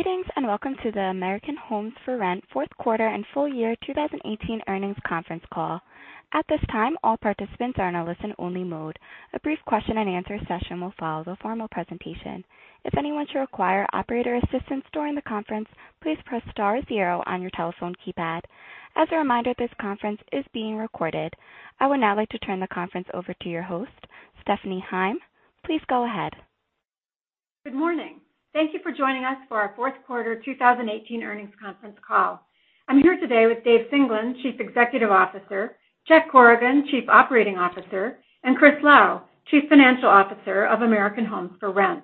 Greetings, and welcome to the American Homes 4 Rent Q4 and Full Year 2018 Earnings Conference Call. At this time, all participants are in a listen-only mode. A brief question-and-answer session will follow the formal presentation. If anyone should require operator assistance during the conference, please press star 0 on your telephone keypad. As a reminder, this conference is being recorded. I would now like to turn the conference over to your host, Stephanie Heim. Please go ahead. Good morning. Thank you for joining us for our Q4 2018 earnings conference call. I'm here today with David Singelyn, Chief Executive Officer, Jack Corrigan, Chief Operating Officer, and Christopher Lau, Chief Financial Officer of American Homes 4 Rent.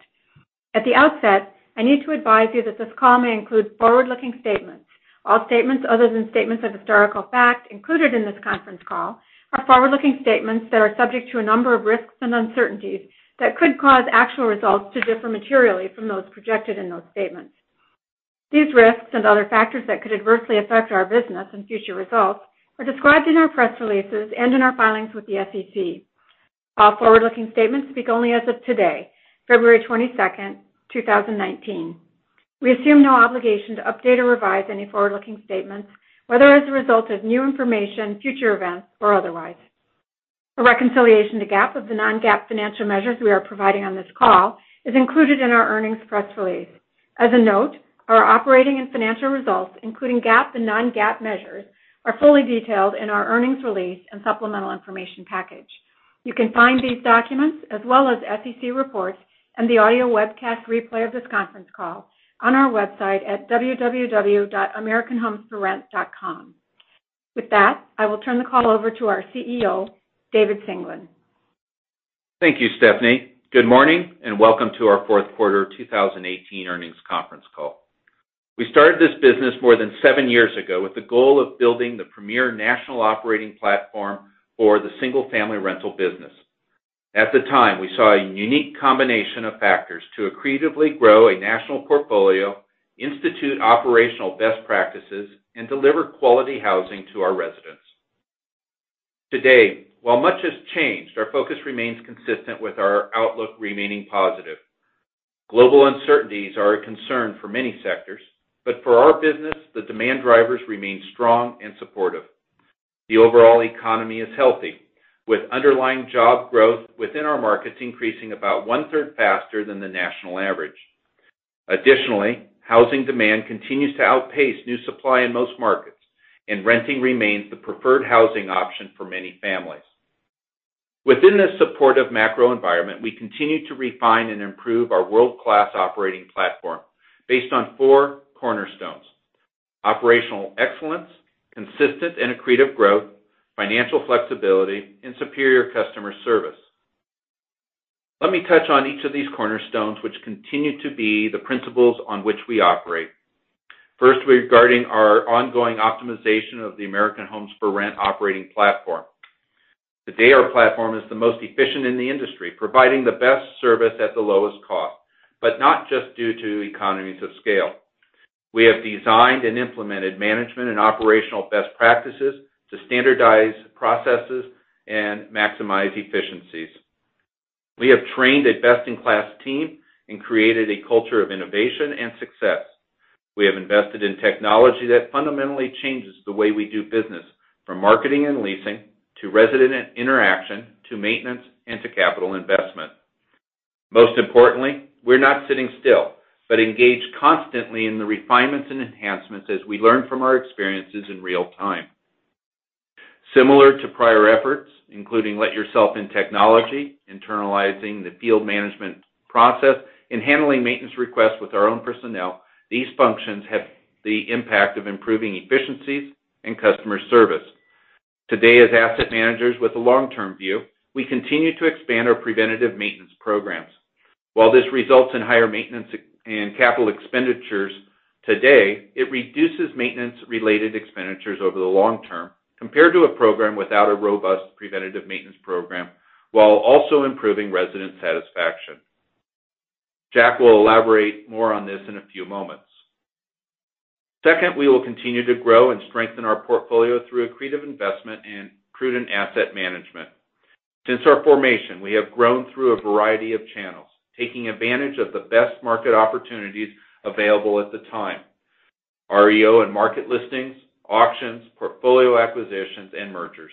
At the outset, I need to advise you that this call may include forward-looking statements. All statements other than statements of historical fact included in this conference call are forward-looking statements that are subject to a number of risks and uncertainties that could cause actual results to differ materially from those projected in those statements. These risks and other factors that could adversely affect our business and future results are described in our press releases and in our filings with the SEC. All forward-looking statements speak only as of today, February 22nd, 2019. We assume no obligation to update or revise any forward-looking statements, whether as a result of new information, future events, or otherwise. A reconciliation to GAAP of the non-GAAP financial measures we are providing on this call is included in our earnings press release. As a note, our operating and financial results, including GAAP and non-GAAP measures, are fully detailed in our earnings release and supplemental information package. You can find these documents as well as SEC reports and the audio webcast replay of this conference call on our website at www.americanhomes4rent.com. With that, I will turn the call over to our CEO, David Singelyn. Thank you, Stephanie. Good morning and welcome to our Q4 2018 earnings conference call. We started this business more than seven years ago with the goal of building the premier national operating platform for the single-family rental business. At the time, we saw a unique combination of factors to accretively grow a national portfolio, institute operational best practices, and deliver quality housing to our residents. Today, while much has changed, our focus remains consistent with our outlook remaining positive. Global uncertainties are a concern for many sectors, but for our business, the demand drivers remain strong and supportive. The overall economy is healthy, with underlying job growth within our markets increasing about one-third faster than the national average. Additionally, housing demand continues to outpace new supply in most markets, and renting remains the preferred housing option for many families. Within this supportive macro environment, we continue to refine and improve our world-class operating platform based on four cornerstones: operational excellence, consistent and accretive growth, financial flexibility, and superior customer service. Let me touch on each of these cornerstones, which continue to be the principles on which we operate. First, regarding our ongoing optimization of the American Homes 4 Rent operating platform. Today, our platform is the most efficient in the industry, providing the best service at the lowest cost, but not just due to economies of scale. We have designed and implemented management and operational best practices to standardize processes and maximize efficiencies. We have trained a best-in-class team and created a culture of innovation and success. We have invested in technology that fundamentally changes the way we do business, from marketing and leasing to resident interaction, to maintenance, and to capital investment. Most importantly, we're not sitting still, but engaged constantly in the refinements and enhancements as we learn from our experiences in real time. Similar to prior efforts, including let-yourself-in technology, internalizing the field management process, and handling maintenance requests with our own personnel, these functions have the impact of improving efficiencies and customer service. Today, as asset managers with a long-term view, we continue to expand our preventative maintenance programs. While this results in higher maintenance and capital expenditures today, it reduces maintenance-related expenditures over the long term compared to a program without a robust preventative maintenance program, while also improving resident satisfaction. Jack will elaborate more on this in a few moments. Second, we will continue to grow and strengthen our portfolio through accretive investment and prudent asset management. Since our formation, we have grown through a variety of channels, taking advantage of the best market opportunities available at the time. REO and market listings, auctions, portfolio acquisitions, and mergers.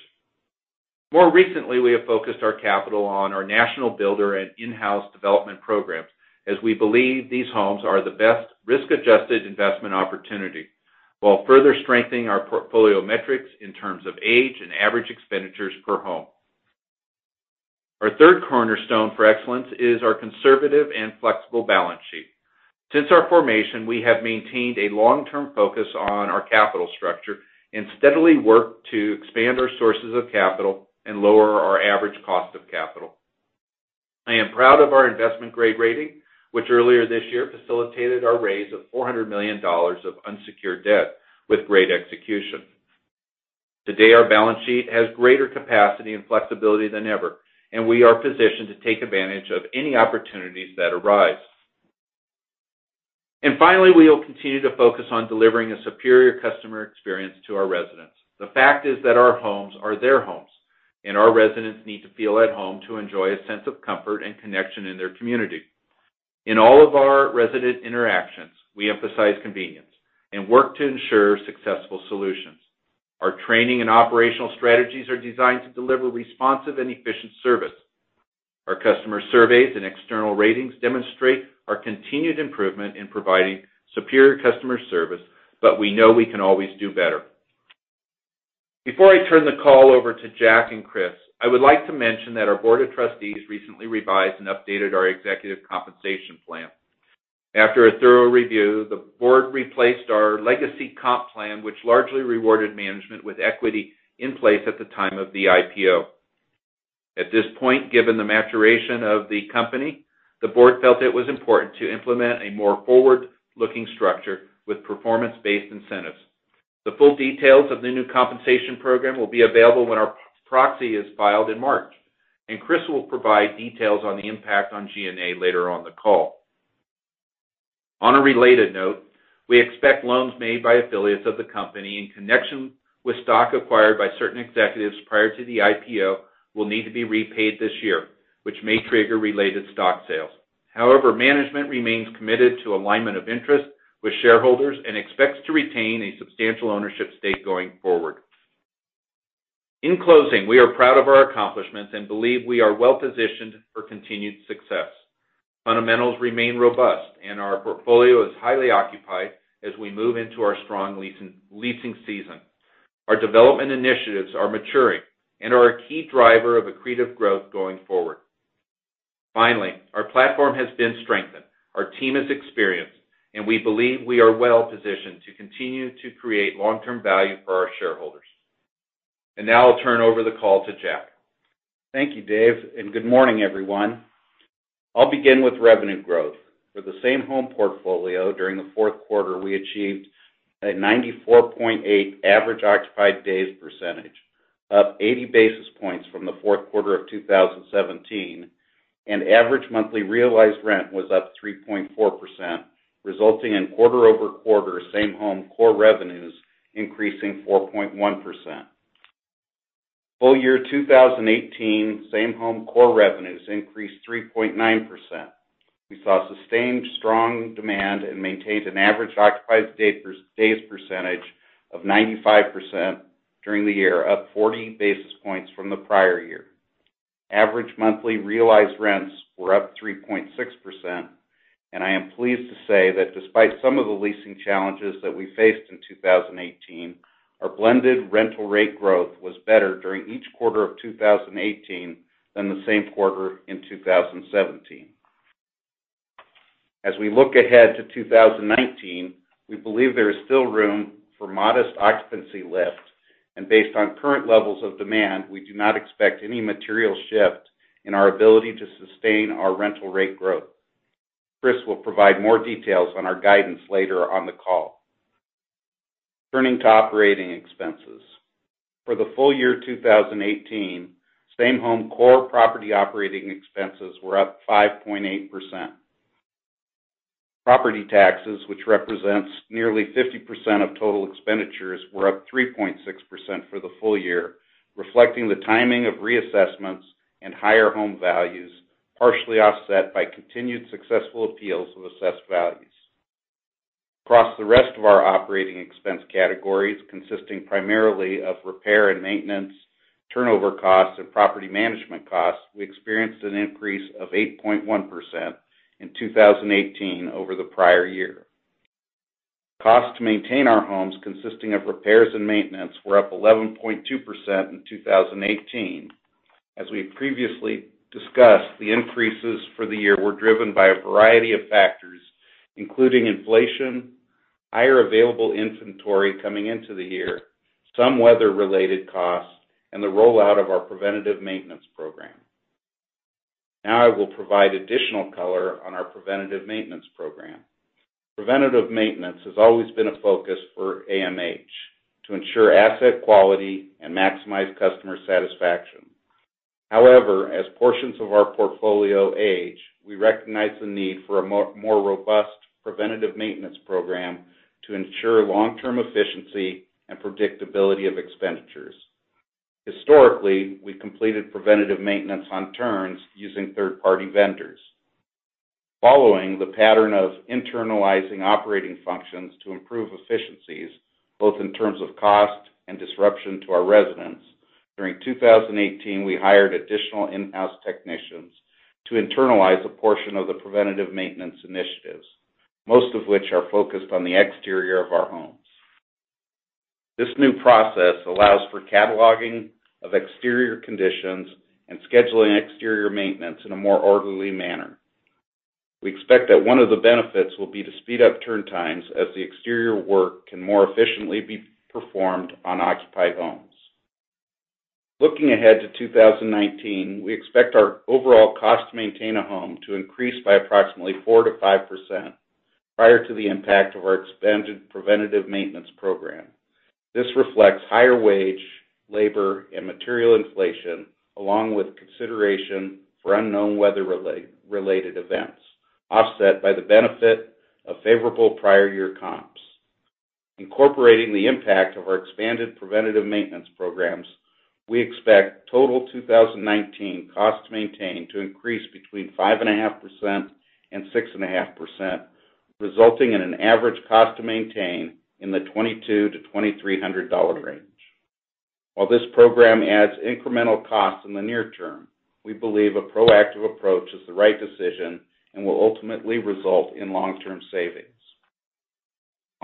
More recently, we have focused our capital on our national builder and in-house development programs as we believe these homes are the best risk-adjusted investment opportunity while further strengthening our portfolio metrics in terms of age and average expenditures per home. Our third cornerstone for excellence is our conservative and flexible balance sheet. Since our formation, we have maintained a long-term focus on our capital structure and steadily worked to expand our sources of capital and lower our average cost of capital. I am proud of our investment-grade rating, which earlier this year facilitated our raise of $400 million of unsecured debt with great execution. Finally, we will continue to focus on delivering a superior customer experience to our residents. The fact is that our homes are their homes. Our residents need to feel at home to enjoy a sense of comfort and connection in their community. In all of our resident interactions, we emphasize convenience and work to ensure successful solutions. Our training and operational strategies are designed to deliver responsive and efficient service. Our customer surveys and external ratings demonstrate our continued improvement in providing superior customer service, but we know we can always do better. Before I turn the call over to Jack and Chris, I would like to mention that our Board of Trustees recently revised and updated our executive compensation plan. After a thorough review, the Board of Trustees replaced our legacy comp plan, which largely rewarded management with equity in place at the time of the IPO. At this point, given the maturation of the company, the Board of Trustees felt it was important to implement a more forward-looking structure with performance-based incentives. The full details of the new compensation program will be available when our proxy is filed in March. Chris will provide details on the impact on G&A later on the call. On a related note, we expect loans made by affiliates of the company in connection with stock acquired by certain executives prior to the IPO will need to be repaid this year, which may trigger related stock sales. However, management remains committed to alignment of interest with shareholders and expects to retain a substantial ownership stake going forward. In closing, we are proud of our accomplishments and believe we are well-positioned for continued success. Fundamentals remain robust, and our portfolio is highly occupied as we move into our strong leasing season. Our development initiatives are maturing and are a key driver of accretive growth going forward. Finally, our platform has been strengthened, our team is experienced, and we believe we are well-positioned to continue to create long-term value for our shareholders. Now I'll turn over the call to Jack. Thank you, David, and good morning, everyone. I'll begin with revenue growth. For the same home portfolio during the Q4, we achieved a 94.8% average occupied days percentage, up 80 basis points from the Q4 of 2017. Average monthly realized rent was up 3.4%, resulting in quarter-over-quarter same home core revenues increasing 4.1%. Full year 2018 same home core revenues increased 3.9%. We saw sustained strong demand and maintained an average occupied days percentage of 95% during the year, up 40 basis points from the prior year. Average monthly realized rents were up 3.6%. I am pleased to say that despite some of the leasing challenges that we faced in 2018, our blended rental rate growth was better during each quarter of 2018 than the same quarter in 2017. As we look ahead to 2019, we believe there is still room for modest occupancy lift. Based on current levels of demand, we do not expect any material shift in our ability to sustain our rental rate growth. Chris will provide more details on our guidance later on the call. Turning to operating expenses. For the full year 2018, same home core property operating expenses were up 5.8%. Property taxes, which represents nearly 50% of total expenditures, were up 3.6% for the full year, reflecting the timing of reassessments and higher home values, partially offset by continued successful appeals of assessed values. Across the rest of our operating expense categories, consisting primarily of repair and maintenance, turnover costs and property management costs, we experienced an increase of 8.1% in 2018 over the prior year. Costs to maintain our homes, consisting of repairs and maintenance, were up 11.2% in 2018. As we previously discussed, the increases for the year were driven by a variety of factors, including inflation, higher available inventory coming into the year, some weather-related costs, and the rollout of our Preventative Maintenance Program. Now I will provide additional color on our Preventative Maintenance Program. Preventative maintenance has always been a focus for AMH to ensure asset quality and maximize customer satisfaction. However, as portions of our portfolio age, we recognize the need for a more robust Preventative Maintenance Program to ensure long-term efficiency and predictability of expenditures. Historically, we completed preventative maintenance on turns using third-party vendors. Following the pattern of internalizing operating functions to improve efficiencies, both in terms of cost and disruption to our residents, during 2018, we hired additional in-house technicians to internalize a portion of the preventative maintenance initiatives, most of which are focused on the exterior of our homes. This new process allows for cataloging of exterior conditions and scheduling exterior maintenance in a more orderly manner. We expect that one of the benefits will be to speed up turn times as the exterior work can more efficiently be performed on occupied homes. Looking ahead to 2019, we expect our overall cost to maintain a home to increase by approximately 4%-5% prior to the impact of our expanded Preventative Maintenance Program. This reflects higher wage, labor, and material inflation, along with consideration for unknown weather-related events, offset by the benefit of favorable prior year comp. Incorporating the impact of our expanded Preventative Maintenance Programs, we expect total 2019 cost to maintain to increase between 5.5%-6.5%, resulting in an average cost to maintain in the $2,200-$2,300 range. While this program adds incremental costs in the near term, we believe a proactive approach is the right decision and will ultimately result in long-term savings.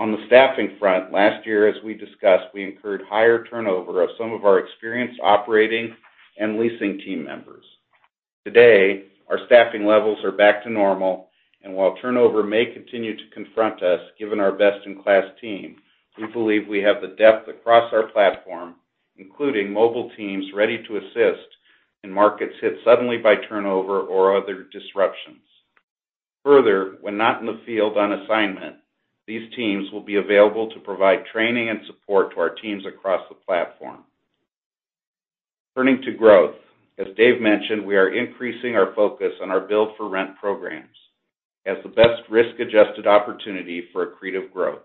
On the staffing front, last year, as we discussed, we incurred higher turnover of some of our experienced operating and leasing team members. Today, our staffing levels are back to normal, and while turnover may continue to confront us, given our best-in-class team, we believe we have the depth across our platform, including mobile teams ready to assist in markets hit suddenly by turnover or other disruptions. Further, when not in the field on assignment, these teams will be available to provide training and support to our teams across the platform. Turning to growth. As David mentioned, we are increasing our focus on our Build for Rent Programs as the best risk-adjusted opportunity for accretive growth.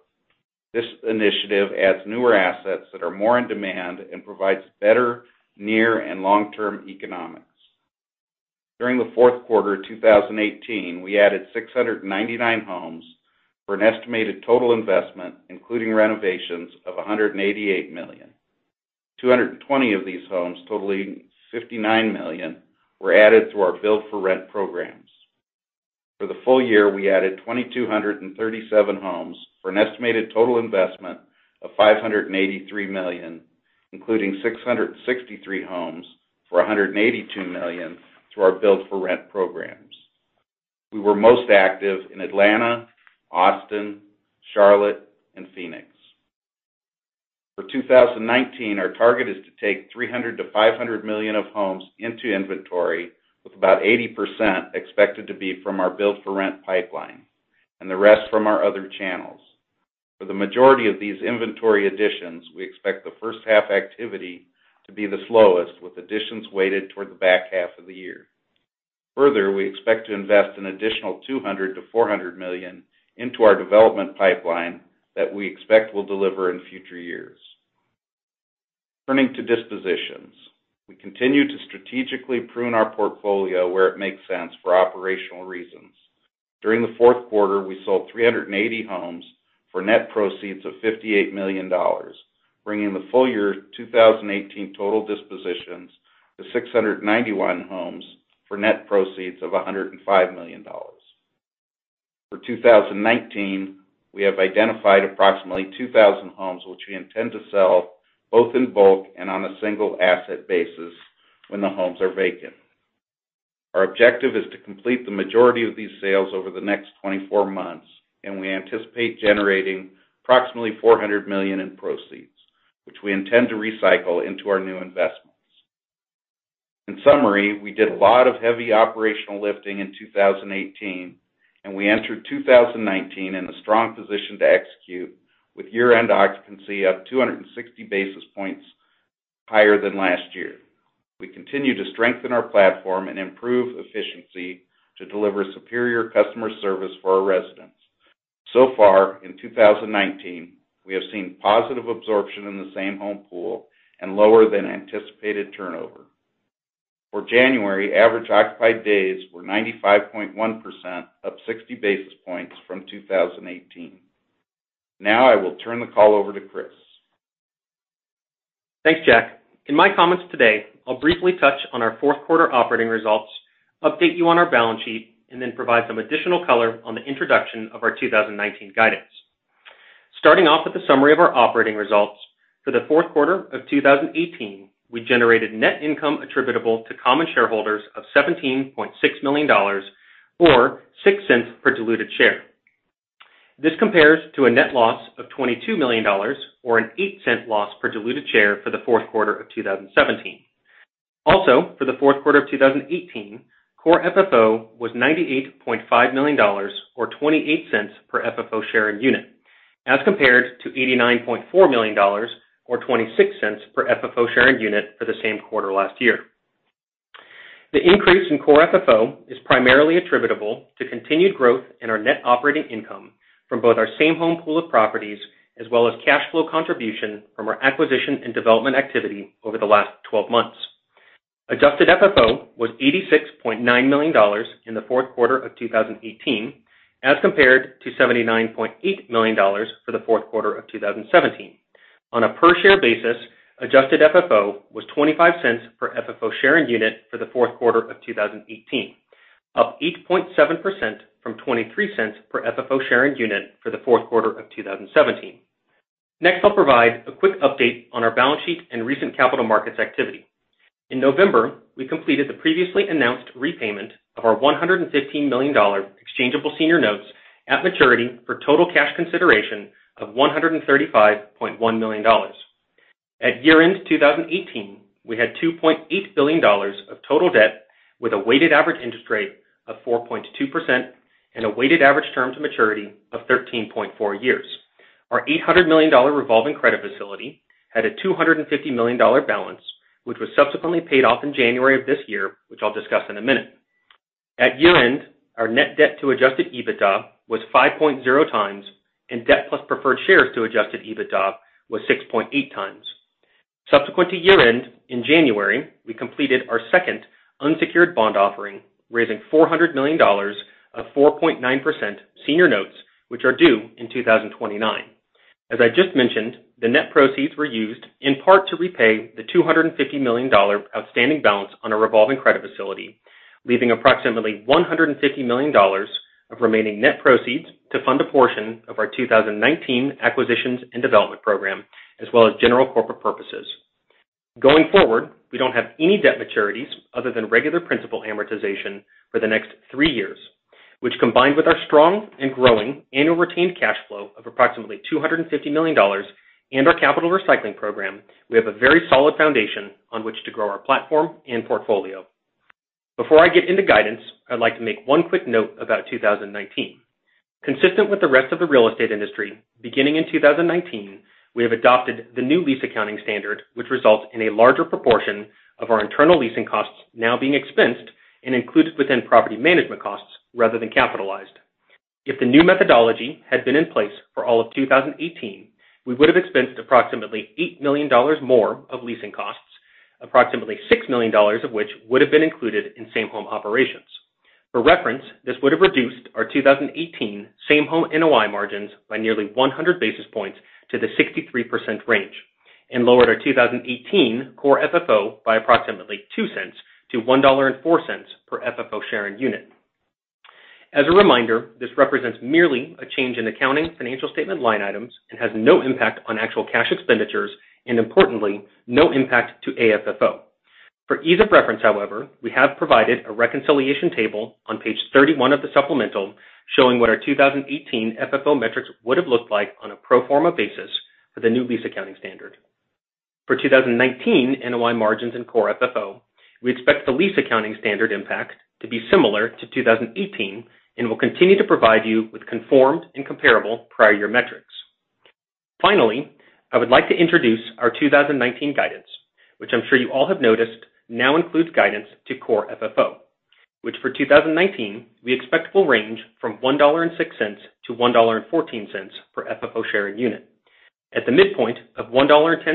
This initiative adds newer assets that are more in demand and provides better near and long-term economics. During the Q4 2018, we added 699 homes for an estimated total investment, including renovations of $188 million. 220 of these homes totaling $59 million, were added to our Build for Rent Programs. For the full year, we added 2,237 homes for an estimated total investment of $583 million, including 663 homes for $182 million through our Build for Rent Programs. We were most active in Atlanta, Austin, Charlotte, and Phoenix. For 2019, our target is to take $300 million-$500 million of homes into inventory, with about 80% expected to be from our Build for Rent pipeline, and the rest from our other channels. For the majority of these inventory additions, we expect the first half activity to be the slowest, with additions weighted toward the back half of the year. We expect to invest an additional $200 million-$400 million into our development pipeline that we expect will deliver in future years. Turning to dispositions. We continue to strategically prune our portfolio where it makes sense for operational reasons. During the Q4, we sold 380 homes for net proceeds of $58 million, bringing the full year 2018 total dispositions to 691 homes for net proceeds of $105 million. For 2019, we have identified approximately 2,000 homes which we intend to sell, both in bulk and on a single asset basis when the homes are vacant. Our objective is to complete the majority of these sales over the next 24 months. We anticipate generating approximately $400 million in proceeds, which we intend to recycle into our new investments. In summary, we did a lot of heavy operational lifting in 2018. We entered 2019 in a strong position to execute with year-end occupancy up 260 basis points higher than last year. We continue to strengthen our platform and improve efficiency to deliver superior customer service for our residents. In 2019, we have seen positive absorption in the same home pool and lower than anticipated turnover. For January, average occupied days were 95.1%, up 60 basis points from 2018. I will turn the call over to Chris. Thanks, Jack. In my comments today, I'll briefly touch on our Q4 operating results, update you on our balance sheet. Then provide some additional color on the introduction of our 2019 guidance. Starting off with a summary of our operating results. For the Q4 of 2018, we generated net income attributable to common shareholders of $17.6 million, or $0.06 per diluted share. This compares to a net loss of $22 million, or an $0.08 loss per diluted share for the Q4 of 2017. For the Q4 of 2018, core FFO was $98.5 million, or $0.28 per FFO share unit, as compared to $89.4 million or $0.26 per FFO share unit for the same quarter last year. The increase in core FFO is primarily attributable to continued growth in our net operating income from both our same home pool of properties, as well as cash flow contribution from our acquisition and development activity over the last 12 months. Adjusted FFO was $86.9 million in the Q4 of 2018, as compared to $79.8 million for the Q4 of 2017. On a per share basis, adjusted FFO was $0.25 per FFO share unit for the Q4 of 2018, up 8.7% from $0.23 per FFO share unit for the Q4 of 2017. I'll provide a quick update on our balance sheet and recent capital markets activity. In November, we completed the previously announced repayment of our $115 million exchangeable senior notes at maturity for total cash consideration of $135.1 million. At year-end 2018, we had $2.8 billion of total debt, with a weighted average interest rate of 4.2% and a weighted average term to maturity of 13.4 years. Our $800 million revolving credit facility had a $250 million balance, which was subsequently paid off in January of this year, which I'll discuss in a minute. At year-end, our net debt to adjusted EBITDA was 5.0 times, and debt plus preferred shares to adjusted EBITDA was 6.8 times. Subsequent to year-end, in January, we completed our second unsecured bond offering, raising $400 million of 4.9% senior notes, which are due in 2029. As I just mentioned, the net proceeds were used in part to repay the $250 million outstanding balance on a revolving credit facility, leaving approximately $150 million of remaining net proceeds to fund a portion of our 2019 acquisitions and development program, as well as general corporate purposes. Going forward, we don't have any debt maturities other than regular principal amortization for the next three years, which combined with our strong and growing annual retained cash flow of approximately $250 million and our capital recycling program, we have a very solid foundation on which to grow our platform and portfolio. Before I get into guidance, I'd like to make one quick note about 2019. Consistent with the rest of the real estate industry, beginning in 2019, we have adopted the new lease accounting standard, which results in a larger proportion of our internal leasing costs now being expensed and included within property management costs rather than capitalized. If the new methodology had been in place for all of 2018, we would have expensed approximately $8 million more of leasing costs, approximately $6 million of which would have been included in Same-Home operations. For reference, this would have reduced our 2018 Same-Home NOI margins by nearly 100 basis points to the 63% range and lowered our 2018 core FFO by approximately $0.02 to $1.04 per FFO share and unit. As a reminder, this represents merely a change in accounting financial statement line items and has no impact on actual cash expenditures, and importantly, no impact to AFFO. For ease of reference, however, we have provided a reconciliation table on page 31 of the supplemental, showing what our 2018 FFO metrics would have looked like on a pro forma basis for the new lease accounting standard. For 2019 NOI margins and core FFO, we expect the lease accounting standard impact to be similar to 2018, and we'll continue to provide you with conformed and comparable prior year metrics. Finally, I would like to introduce our 2019 guidance, which I'm sure you all have noticed now includes guidance to core FFO, which for 2019, we expect will range from $1.06 to $1.14 per FFO share and unit. At the midpoint of $1.10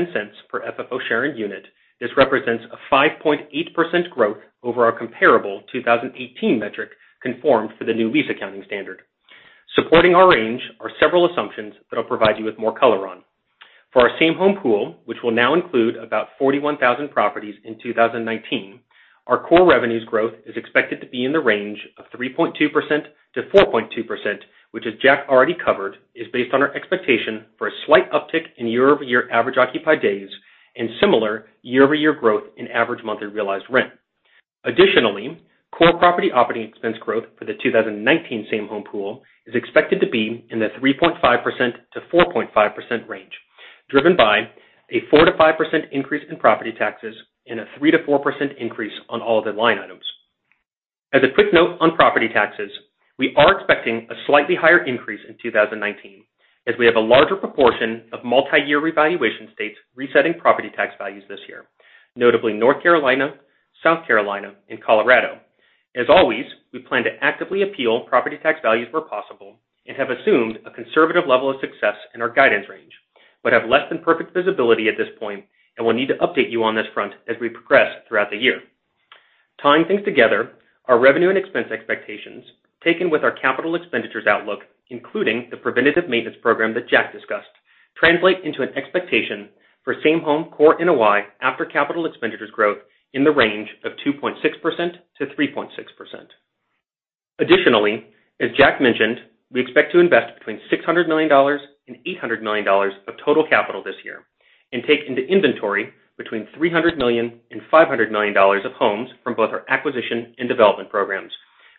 per FFO share and unit, this represents a 5.8% growth over our comparable 2018 metric conformed for the new lease accounting standard. Supporting our range are several assumptions that I'll provide you with more color on. For our Same-Home pool, which will now include about 41,000 properties in 2019, our core revenues growth is expected to be in the range of 3.2% to 4.2%, which as Jack already covered, is based on our expectation for a slight uptick in year-over-year average occupied days and similar year-over-year growth in average monthly realized rent. Additionally, core property operating expense growth for the 2019 Same-Home pool is expected to be in the 3.5%-4.5% range, driven by a 4%-5% increase in property taxes and a 3%-4% increase on all other line items. As a quick note on property taxes, we are expecting a slightly higher increase in 2019 as we have a larger proportion of multi-year revaluation states resetting property tax values this year, notably North Carolina, South Carolina, and Colorado. As always, we plan to actively appeal property tax values where possible and have assumed a conservative level of success in our guidance range, but have less than perfect visibility at this point and will need to update you on this front as we progress throughout the year. Tying things together, our revenue and expense expectations, taken with our capital expenditures outlook, including the Preventative Maintenance Program that Jack discussed, translate into an expectation for Same-Home core NOI after capital expenditures growth in the range of 2.6%-3.6%. As Jack mentioned, we expect to invest between $600 million and $800 million of total capital this year and take into inventory between $300 million and $500 million of homes from both our acquisition and development programs,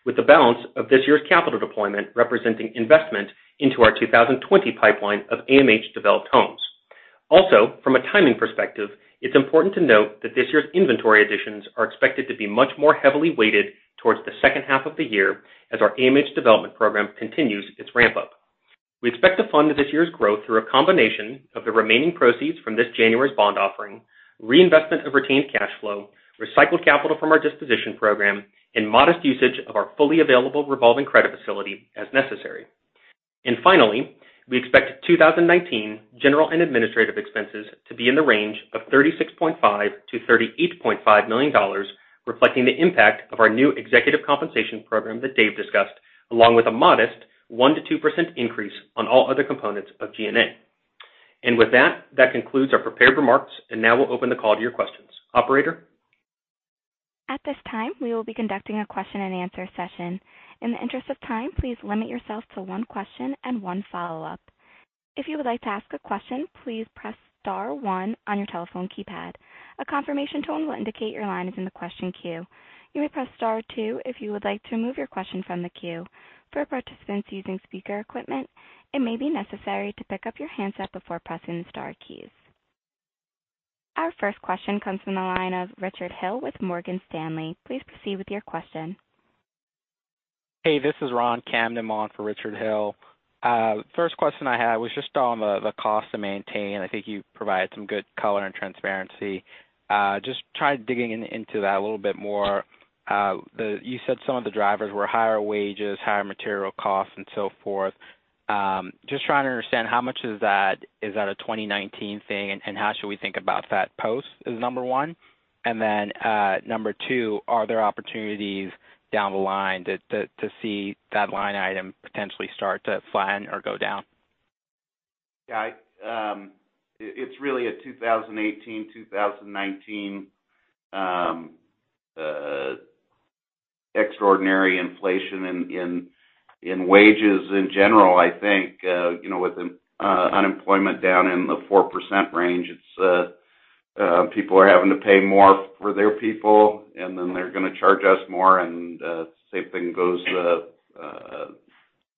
with the balance of this year's capital deployment representing investment into our 2020 pipeline of AMH-developed homes. From a timing perspective, it's important to note that this year's inventory additions are expected to be much more heavily weighted towards the second half of the year as our AMH development program continues its ramp-up. We expect to fund this year's growth through a combination of the remaining proceeds from this January's bond offering, reinvestment of retained cash flow, recycled capital from our disposition program, and modest usage of our fully available revolving credit facility as necessary. Finally, we expect 2019 general and administrative expenses to be in the range of $36.5 million-$38.5 million, reflecting the impact of our new executive compensation program that David discussed, along with a modest 1%-2% increase on all other components of G&A. With that concludes our prepared remarks, now we'll open the call to your questions. Operator? At this time, we will be conducting a question and answer session. In the interest of time, please limit yourself to one question and one follow-up. If you would like to ask a question, please press star one on your telephone keypad. A confirmation tone will indicate your line is in the question queue. You may press star two if you would like to remove your question from the queue. For participants using speaker equipment, it may be necessary to pick up your handset before pressing the star keys. Our first question comes from the line of Richard Hill with Morgan Stanley. Please proceed with your question. Hey, this is Ronald Kamdem for Richard Hill. First question I had was just on the cost to maintain. I think you provided some good color and transparency. Just try digging into that a little bit more. You said some of the drivers were higher wages, higher material costs, and so forth. Just trying to understand how much is that a 2019 thing, and how should we think about that post, is number one. Number two, are there opportunities down the line to see that line item potentially start to flatten or go down? Yeah. It's really a 2018, 2019 extraordinary inflation in wages in general. I think, with unemployment down in the 4% range, people are having to pay more for their people, then they're going to charge us more, and the same thing goes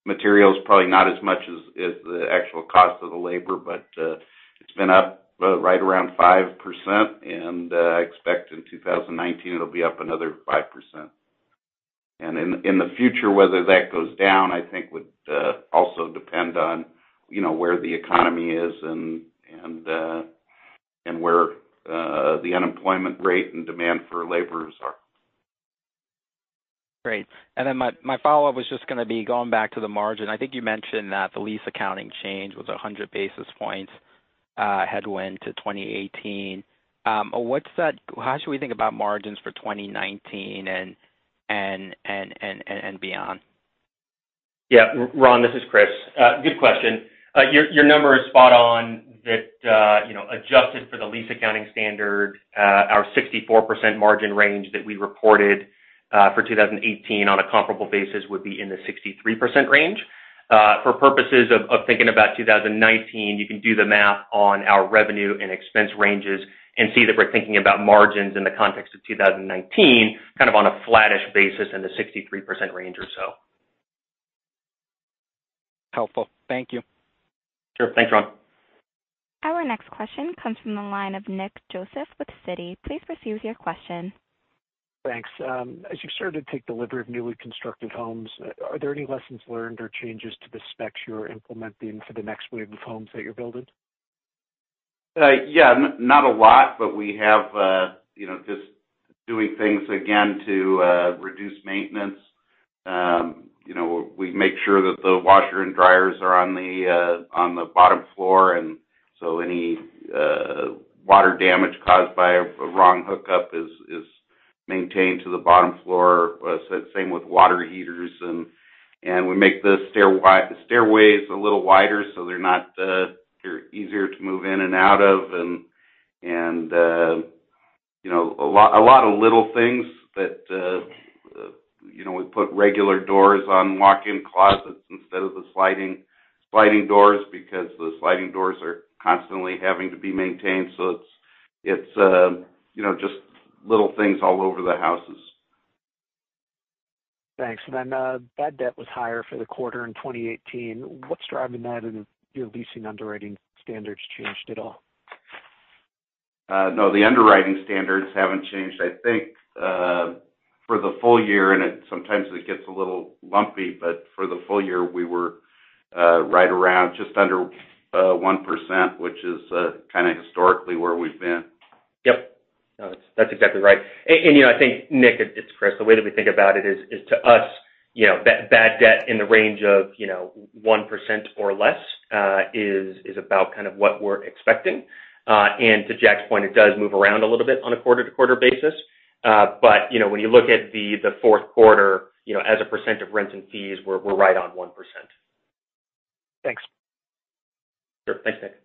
materials. Probably not as much as the actual cost of the labor, but it's been up right around 5%, and I expect in 2019 it'll be up another 5%. In the future, whether that goes down, I think, would also depend on where the economy is and where the unemployment rate and demand for labors are. Great. My follow-up was just going to be going back to the margin. I think you mentioned that the lease accounting change was 100 basis points headwind to 2018. How should we think about margins for 2019 and beyond? Yeah. Ronald, this is Chris. Good question. Your number is spot on that, adjusted for the lease accounting standard, our 64% margin range that we reported for 2018 on a comparable basis would be in the 63% range. For purposes of thinking about 2019, you can do the math on our revenue and expense ranges and see that we're thinking about margins in the context of 2019, kind of on a flattish basis in the 63% range or so. Helpful. Thank you. Sure. Thanks, Ronald. Our next question comes from the line of Nick Joseph with Citi. Please proceed with your question. Thanks. As you started to take delivery of newly constructed homes, are there any lessons learned or changes to the specs you're implementing for the next wave of homes that you're building? Yeah. Not a lot, but we have, just doing things, again, to reduce maintenance. We make sure that the washer and dryers are on the bottom floor, and so any water damage caused by a wrong hookup is maintained to the bottom floor. Same with water heaters, and we make the stairways a little wider so they're easier to move in and out of. A lot of little things that, we put regular doors on walk-in closets instead of the sliding doors because the sliding doors are constantly having to be maintained. It's just little things all over the houses. Thanks. Bad debt was higher for the quarter in 2018. What's driving that? Have your leasing underwriting standards changed at all? No, the underwriting standards haven't changed. I think for the full year, and sometimes it gets a little lumpy, but for the full year, we were right around just under 1%, which is kind of historically where we've been. Yes. No, that's exactly right. I think, Nick, it's Chris. The way that we think about it is, to us, bad debt in the range of 1% or less, is about kind of what we're expecting. To Jack's point, it does move around a little bit on a quarter-to-quarter basis. When you look at the Q4, as a percent of rent and fees, we're right on 1%. Thanks. Sure. Thanks, Nick.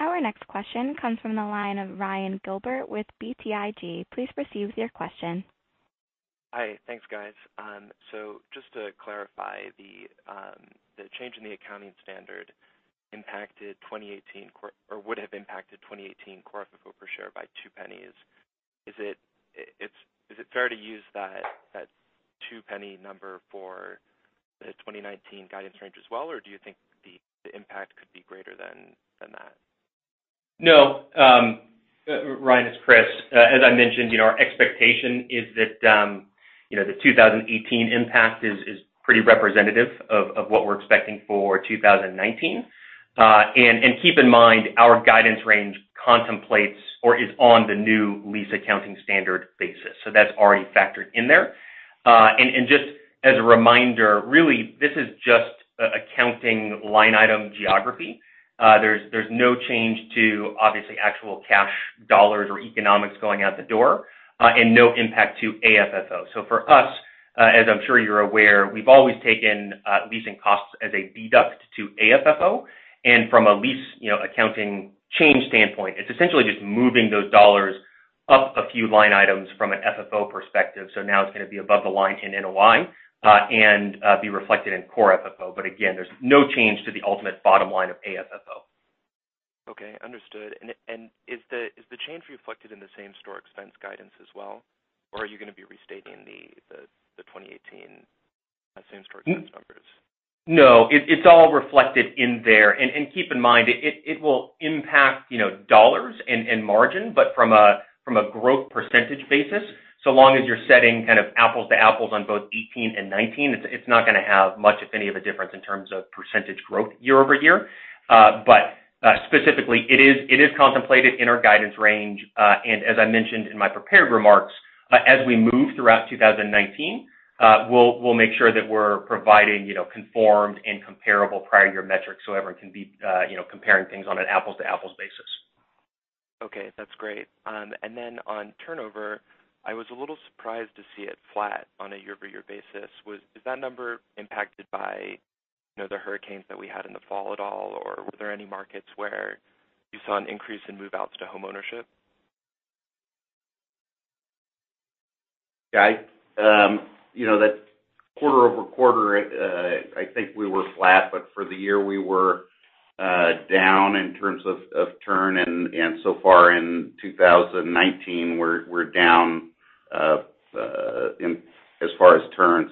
Our next question comes from the line of Ryan Gilbert with BTIG. Please proceed with your question. Hi. Thanks, guys. Just to clarify, the change in the accounting standard would have impacted 2018 core per share by $0.02. Is it fair to use that $0.02 number for the 2019 guidance range as well, or do you think the impact could be greater than that? No. Ryan, it's Chris. As I mentioned, our expectation is that the 2018 impact is pretty representative of what we're expecting for 2019. Keep in mind, our guidance range contemplates or is on the new lease accounting standard basis, that's already factored in there. Just as a reminder, really, this is just accounting line item geography. There's no change to obviously actual cash dollars or economics going out the door, no impact to AFFO. For us, as I'm sure you're aware, we've always taken leasing costs as a deduct to AFFO. From a lease accounting change standpoint, it's essentially just moving those dollars up a few line items from an FFO perspective. Now it's going to be above the line in NOI, and be reflected in core FFO. Again, there's no change to the ultimate bottom line of AFFO. Okay. Understood. Is the change reflected in the same-store expense guidance as well, or are you going to be restating the 2018 same store expense numbers? No, it's all reflected in there. Keep in mind, it will impact dollars and margin, from a growth percentage basis, so long as you're setting kind of apples to apples on both 2018 and 2019, it's not going to have much, if any, of a difference in terms of percentage growth year-over-year. Specifically, it is contemplated in our guidance range. As I mentioned in my prepared remarks, as we move throughout 2019, we'll make sure that we're providing conformed and comparable prior year metrics so everyone can be comparing things on an apples to apples basis. Okay, that's great. Then on turnover, I was a little surprised to see it flat on a year-over-year basis. Is that number impacted by the hurricanes that we had in the fall at all? Or were there any markets where you saw an increase in move-outs to home ownership? Yeah. That quarter-over-quarter, I think we were flat, but for the year, we were down in terms of turn, and so far in 2019, we're down as far as turn.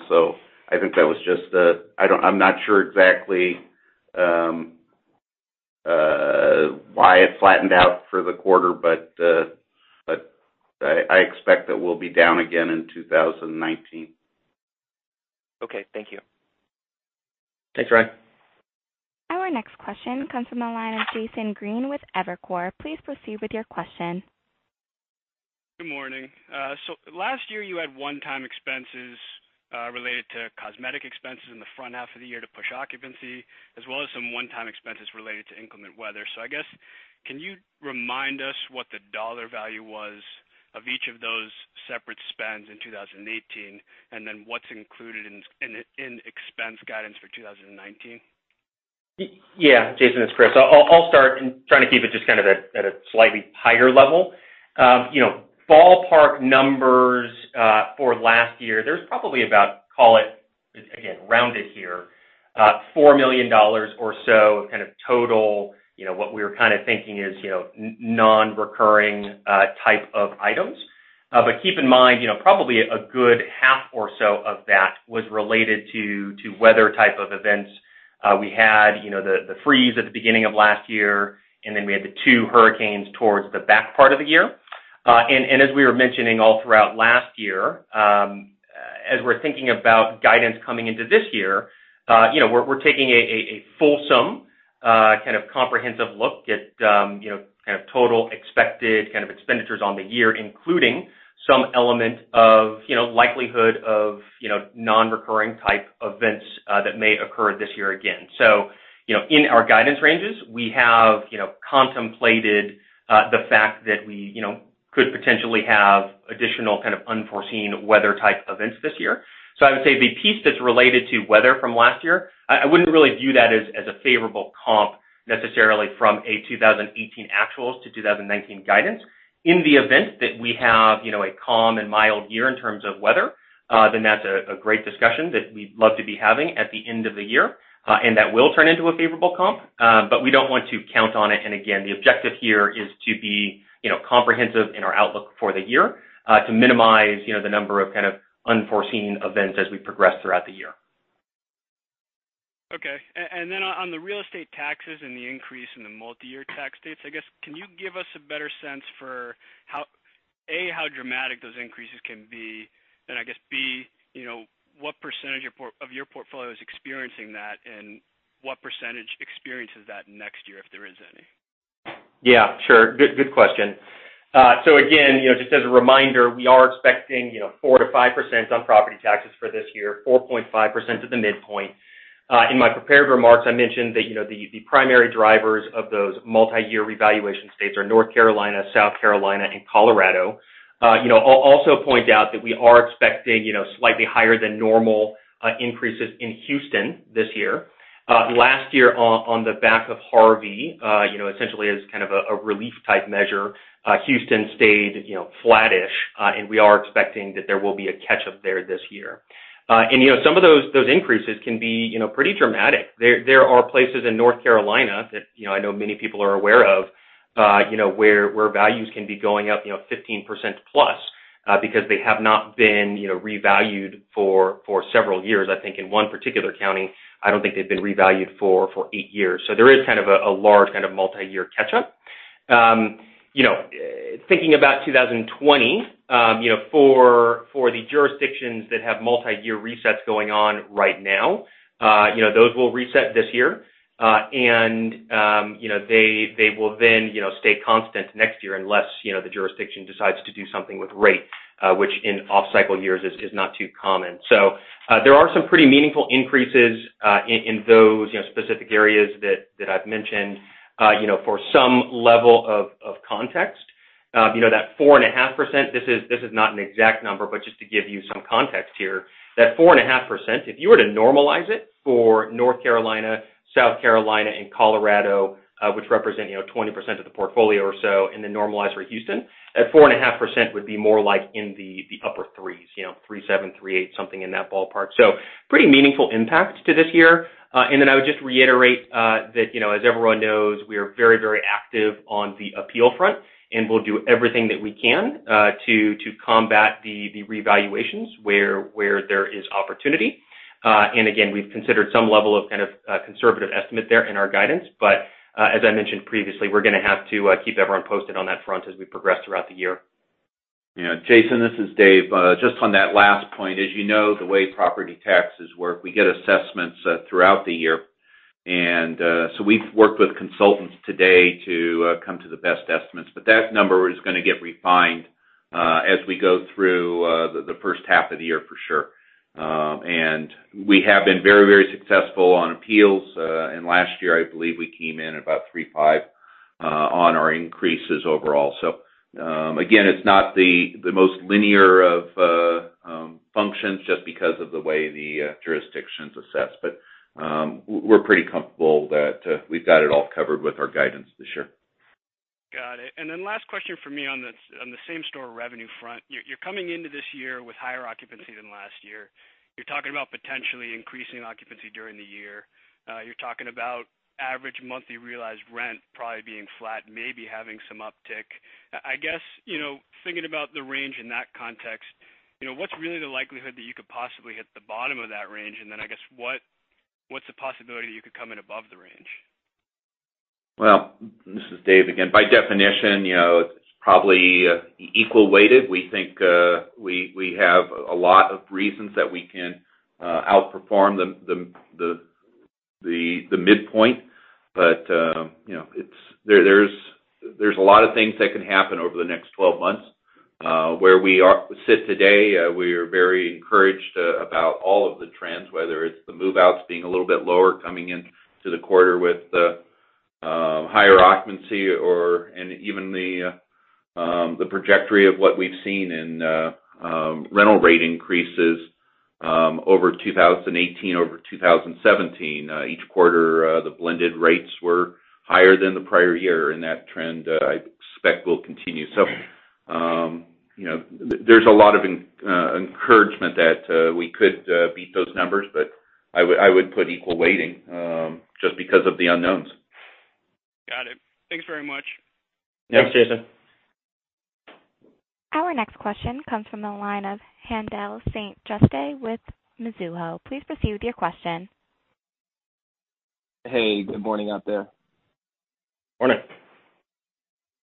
I think that was just the I'm not sure exactly why it flattened out for the quarter, but I expect that we'll be down again in 2019. Okay, thank you. Thanks, Ryan. Our next question comes from the line of Jason Green with Evercore. Please proceed with your question. Good morning. Last year, you had one-time expenses related to cosmetic expenses in the front half of the year to push occupancy, as well as some one-time expenses related to inclement weather. I guess, can you remind us what the dollar value was of each of those separate spends in 2018, and then what's included in expense guidance for 2019? Yeah, Jason, it's Chris. I'll start in trying to keep it just kind of at a slightly higher level. Ballpark numbers for last year, there's probably about, call it, again, rounded here, $4 million or so of kind of total, what we were kind of thinking is non-recurring type of items. Keep in mind, probably a good half or so of that was related to weather type of events. We had the freeze at the beginning of last year, and then we had the two hurricanes towards the back part of the year. As we were mentioning all throughout last year, as we're thinking about guidance coming into this year, we're taking a fulsome kind of comprehensive look at kind of total expected kind of expenditures on the year, including some element of likelihood of non-recurring type events that may occur this year again. In our guidance ranges, we have contemplated the fact that we could potentially have additional kind of unforeseen weather type events this year. I would say the piece that's related to weather from last year, I wouldn't really view that as a favorable comp necessarily from a 2018 actuals to 2019 guidance. In the event that we have a calm and mild year in terms of weather, then that's a great discussion that we'd love to be having at the end of the year. That will turn into a favorable comp. We don't want to count on it, and again, the objective here is to be comprehensive in our outlook for the year, to minimize the number of kind of unforeseen events as we progress throughout the year. Okay. Then on the real estate taxes and the increase in the multi-year tax states, I guess, can you give us a better sense for, A, how dramatic those increases can be, and I guess, B, what percentage of your portfolio is experiencing that, and what percentage experiences that next year, if there is any? Yeah, sure. Good question. Again, just as a reminder, we are expecting 4%-5% on property taxes for this year, 4.5% to the midpoint. In my prepared remarks, I mentioned that the primary drivers of those multi-year revaluation states are North Carolina, South Carolina, and Colorado. I'll also point out that we are expecting slightly higher than normal increases in Houston this year. Last year on the back of Hurricane Harvey, essentially as kind of a relief type measure, Houston stayed flattish, and we are expecting that there will be a catch-up there this year. Some of those increases can be pretty dramatic. There are places in North Carolina that I know many people are aware of, where values can be going up 15%+ because they have not been revalued for several years. I think in one particular county, I don't think they've been revalued for eight years. There is kind of a large kind of multi-year catch-up. Thinking about 2020, for the jurisdictions that have multi-year resets going on right now, those will reset this year. They will then stay constant next year unless the jurisdiction decides to do something with rate, which in off-cycle years is not too common. There are some pretty meaningful increases in those specific areas that I've mentioned. For some level of context, that 4.5%, this is not an exact number, but just to give you some context here, that 4.5%, if you were to normalize it for North Carolina, South Carolina, and Colorado, which represent 20% of the portfolio or so, and then normalize for Houston, that 4.5% would be more like in the upper threes, 3.7, 3.8, something in that ballpark. Pretty meaningful impact to this year. I would just reiterate that as everyone knows, we are very, very active on the appeal front, and we'll do everything that we can to combat the revaluations where there is opportunity. Again, we've considered some level of kind of conservative estimate there in our guidance. As I mentioned previously, we're going to have to keep everyone posted on that front as we progress throughout the year. Yeah. Jason, this is David. Just on that last point, as you know, the way property taxes work, we get assessments throughout the year. We've worked with consultants today to come to the best estimates, but that number is going to get refined as we go through the first half of the year for sure. We have been very successful on appeals. Last year, I believe we came in about 3.5 on our increases overall. Again, it's not the most linear of functions just because of the way the jurisdictions assess. We're pretty comfortable that we've got it all covered with our guidance this year. Got it. Last question from me on the same-store revenue front. You're coming into this year with higher occupancy than last year. You're talking about potentially increasing occupancy during the year. You're talking about average monthly realized rent probably being flat, maybe having some uptick. I guess, thinking about the range in that context, what's really the likelihood that you could possibly hit the bottom of that range? I guess, what's the possibility that you could come in above the range? Well, this is David again. By definition, it's probably equal weighted. We think we have a lot of reasons that we can outperform the midpoint. There's a lot of things that can happen over the next 12 months. Where we sit today, we are very encouraged about all of the trends, whether it's the move-outs being a little bit lower coming into the quarter with higher occupancy or even the trajectory of what we've seen in rental rate increases, over 2018, over 2017. Each quarter, the blended rates were higher than the prior year, and that trend I expect will continue. There's a lot of encouragement that we could beat those numbers, but I would put equal weighting, just because of the unknowns. Got it. Thanks very much. Yeah. Thanks, Jason. Our next question comes from the line of Haendel St. Juste with Mizuho. Please proceed with your question. Hey, good morning out there. Good morning.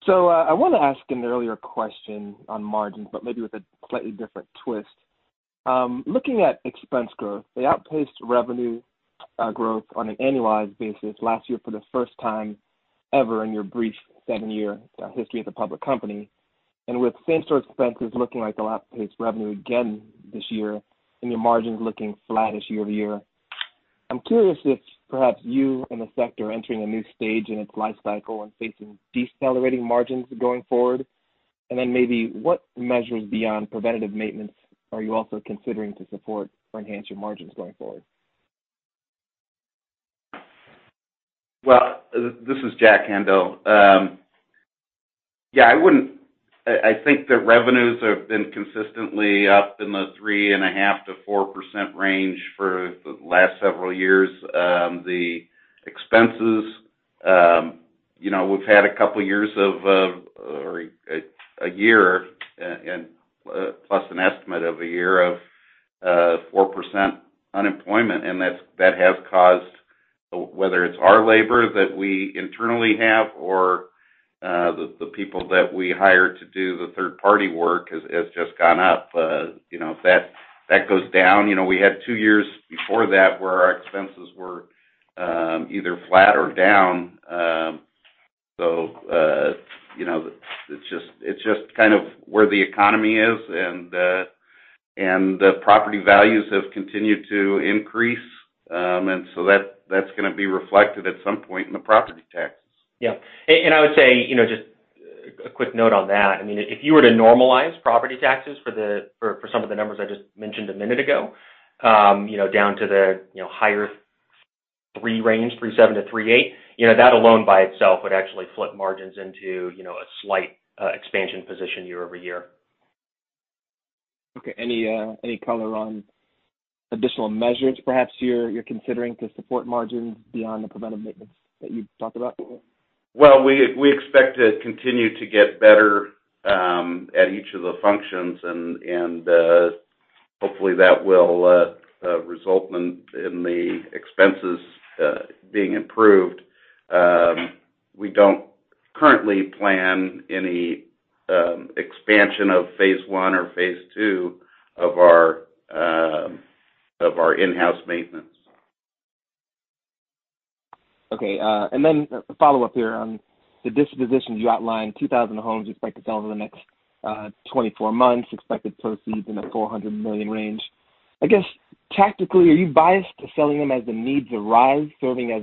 I want to ask an earlier question on margins, but maybe with a slightly different twist. Looking at expense growth, they outpaced revenue growth on an annualized basis last year for the first time ever in your brief seven-year history as a public company. With same-store expenses looking like they'll outpace revenue again this year, and your margins looking flat-ish year-over-year. I'm curious if perhaps you and the sector are entering a new stage in its life cycle and facing decelerating margins going forward. Then maybe what measures beyond preventative maintenance are you also considering to support or enhance your margins going forward? Well, this is Jack, Haendel. Yeah, I think the revenues have been consistently up in the three and a half to 4% range for the last several years. The expenses, we've had a couple years of, or a year and plus an estimate of a year of 4% unemployment, and that has caused, whether it's our labor that we internally have or the people that we hire to do the third-party work has just gone up. That goes down. We had two years before that where our expenses were either flat or down. It's just kind of where the economy is, and the property values have continued to increase. And so that's going to be reflected at some point in the property taxes. Yeah. I would say, just a quick note on that. If you were to normalize property taxes for some of the numbers I just mentioned a minute ago, down to the higher three range, 3.7 to 3.8, that alone by itself would actually flip margins into a slight expansion position year-over-year. Okay. Any color on additional measures perhaps you're considering to support margins beyond the preventative maintenance that you've talked about before? Well, we expect to continue to get better at each of the functions, and hopefully that will result in the expenses being improved. We don't currently plan any expansion of phase one or phase two of our in-house maintenance. Okay. A follow-up here on the dispositions. You outlined 2,000 homes you expect to sell over the next 24 months, expected proceeds in the $400 million range. I guess tactically, are you biased to selling them as the needs arise, serving as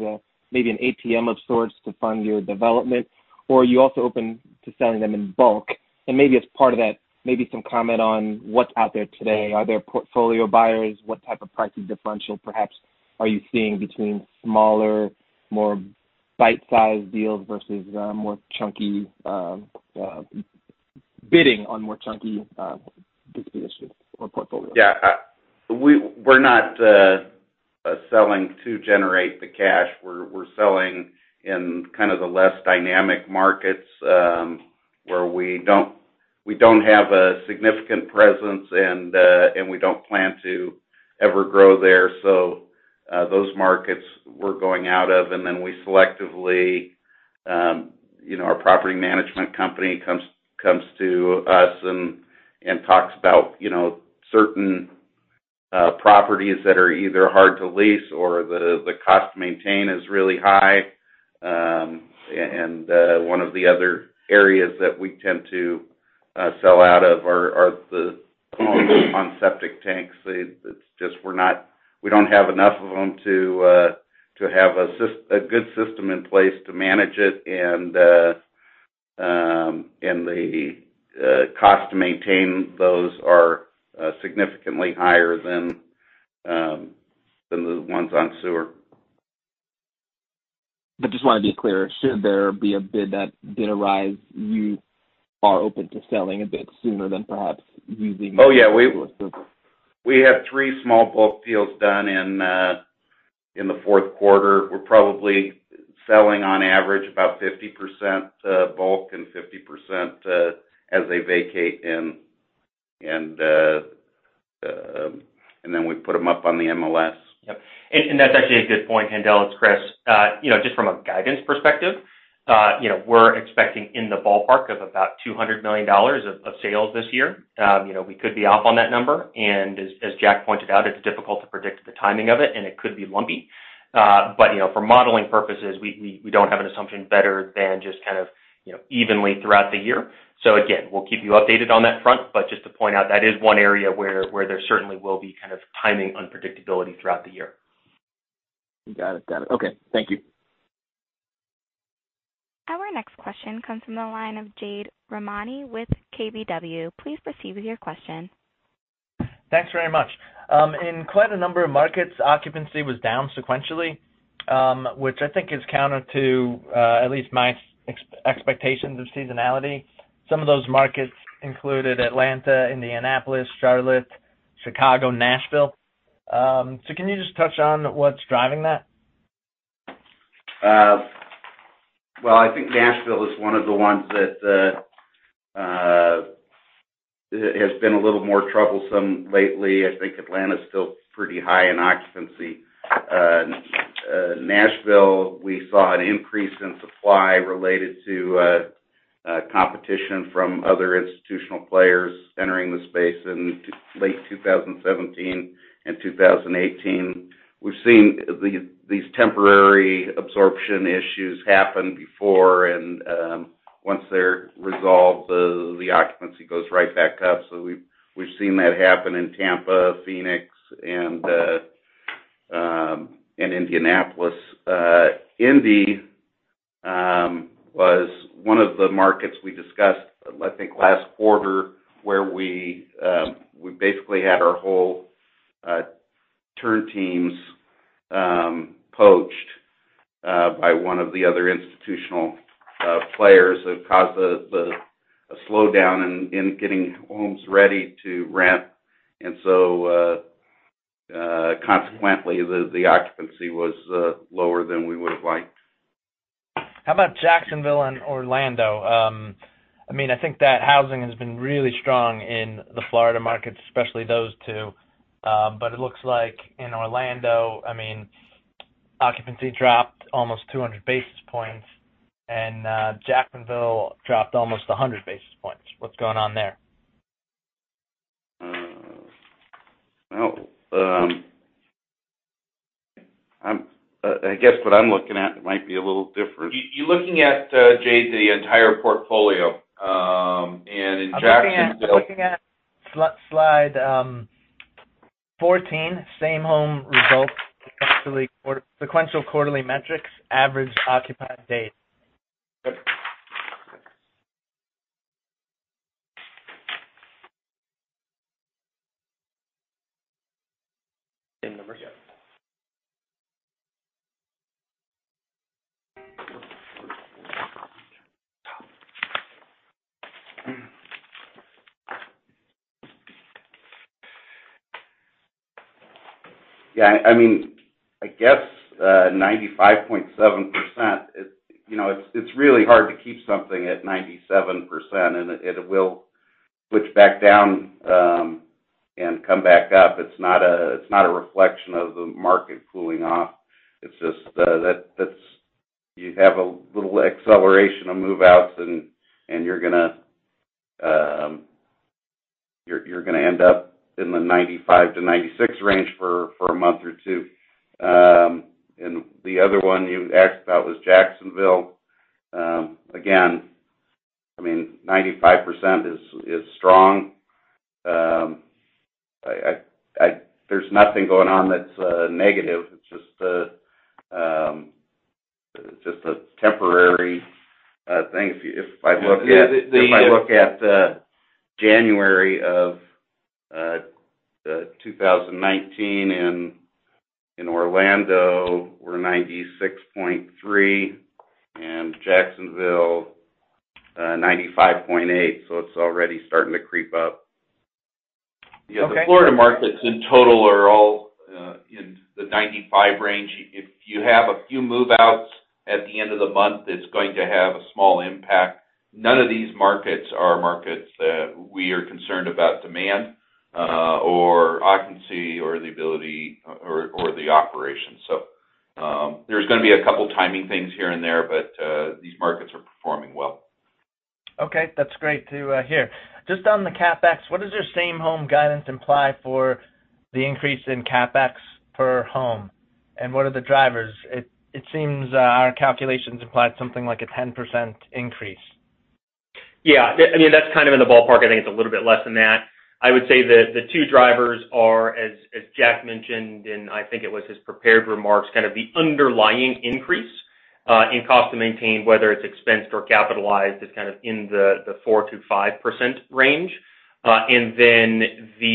maybe an ATM of sorts to fund your development? Are you also open to selling them in bulk? Maybe as part of that, maybe some comment on what's out there today. Are there portfolio buyers? What type of pricing differential, perhaps, are you seeing between smaller, more bite-sized deals versus more chunky, bidding on more chunky dispositions or portfolios? Yeah. We're not selling to generate the cash. We're selling in kind of the less dynamic markets, where we don't- We don't have a significant presence, and we don't plan to ever grow there. Those markets we're going out of, and then we selectively, our property management company comes to us and talks about certain properties that are either hard to lease or the cost to maintain is really high. One of the other areas that we tend to sell out of are the homes on septic tanks. It's just we don't have enough of them to have a good system in place to manage it, and the cost to maintain those are significantly higher than the ones on sewer. I just want to be clear. Should there be a bid that did arise, you are open to selling a bit sooner than perhaps. Oh, yeah. We have three small bulk deals done in the Q4. We're probably selling on average about 50% bulk and 50% as they vacate, and then we put them up on the MLS. Yes. That's actually a good point, Haendel, Chris. Just from a guidance perspective, we're expecting in the ballpark of about $200 million of sales this year. We could be off on that number, and as Jack pointed out, it's difficult to predict the timing of it, and it could be lumpy. For modeling purposes, we don't have an assumption better than just kind of evenly throughout the year. Again, we'll keep you updated on that front. Just to point out, that is one area where there certainly will be kind of timing unpredictability throughout the year. Got it. Okay. Thank you. Our next question comes from the line of Jade Rahmani with KBW. Please proceed with your question. Thanks very much. In quite a number of markets, occupancy was down sequentially, which I think is counter to at least my expectations of seasonality. Some of those markets included Atlanta, Indianapolis, Charlotte, Chicago, Nashville. Can you just touch on what's driving that? I think Nashville is one of the ones that has been a little more troublesome lately. I think Atlanta's still pretty high in occupancy. Nashville, we saw an increase in supply related to competition from other institutional players entering the space in late 2017 and 2018. We've seen these temporary absorption issues happen before, and once they're resolved, the occupancy goes right back up. We've seen that happen in Tampa, Phoenix, and Indianapolis. Indy was one of the markets we discussed, I think, last quarter, where we basically had our whole turn teams poached by one of the other institutional players. It caused a slowdown in getting homes ready to rent. Consequently, the occupancy was lower than we would've liked. How about Jacksonville and Orlando? I think that housing has been really strong in the Florida markets, especially those two. It looks like in Orlando, occupancy dropped almost 200 basis points, and Jacksonville dropped almost 100 basis points. What's going on there? I guess what I'm looking at might be a little different. You're looking at, Jade, the entire portfolio. In Jacksonville. I'm looking at slide 14, Same-Home Results, Sequential Quarterly Metrics, Average Occupied Date. Good. In the merchant. Yeah. I guess 95.7%. It's really hard to keep something at 97%, it will switch back down and come back up. It's not a reflection of the market cooling off. It's just that you have a little acceleration of move-outs, you're gonna end up in the 95%-96% range for a month or two. The other one you asked about was Jacksonville. Again, 95% is strong. There's nothing going on that's negative. It's just a temporary thing. If I look at January of 2019 in Orlando, we're 96.3, Jacksonville, 95.8, it's already starting to creep up. The Florida markets in total are all in the 95% range. If you have a few move-outs at the end of the month, it's going to have a small impact. None of these markets are markets that we are concerned about demand or occupancy or the ability, or the operation. There's going to be a couple timing things here and there, these markets are performing well. Okay. That's great to hear. Just on the CapEx, what does your same home guidance imply for the increase in CapEx per home? What are the drivers? It seems our calculations implied something like a 10% increase. Yeah. That's kind of in the ballpark. I think it's a little bit less than that. I would say the two drivers are, as Jack mentioned, I think it was his prepared remarks, kind of the underlying increase, in cost to maintain, whether it's expensed or capitalized, is kind of in the 4%-5% range. The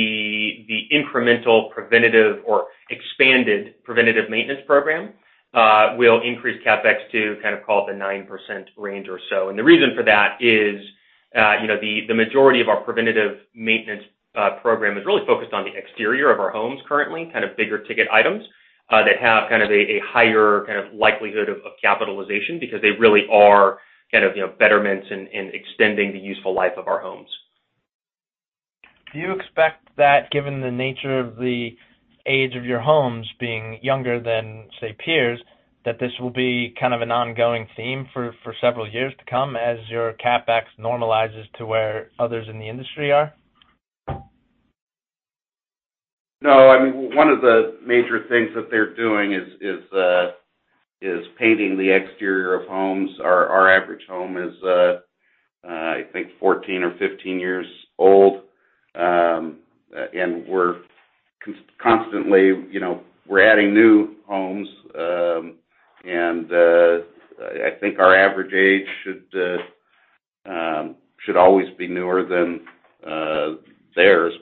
incremental preventative or expanded preventative maintenance program, will increase CapEx to kind of call it the 9% range or so. The reason for that is the majority of our preventative maintenance program is really focused on the exterior of our homes currently, kind of bigger ticket items, that have kind of a higher kind of likelihood of capitalization because they really are kind of betterments in extending the useful life of our homes. Do you expect that given the nature of the age of your homes being younger than, say, peers, that this will be kind of an ongoing theme for several years to come as your CapEx normalizes to where others in the industry are? No. One of the major things that they're doing is painting the exterior of homes. Our average home is, I think 14 or 15 years old. We're constantly adding new homes. I think our average age should always be newer than theirs.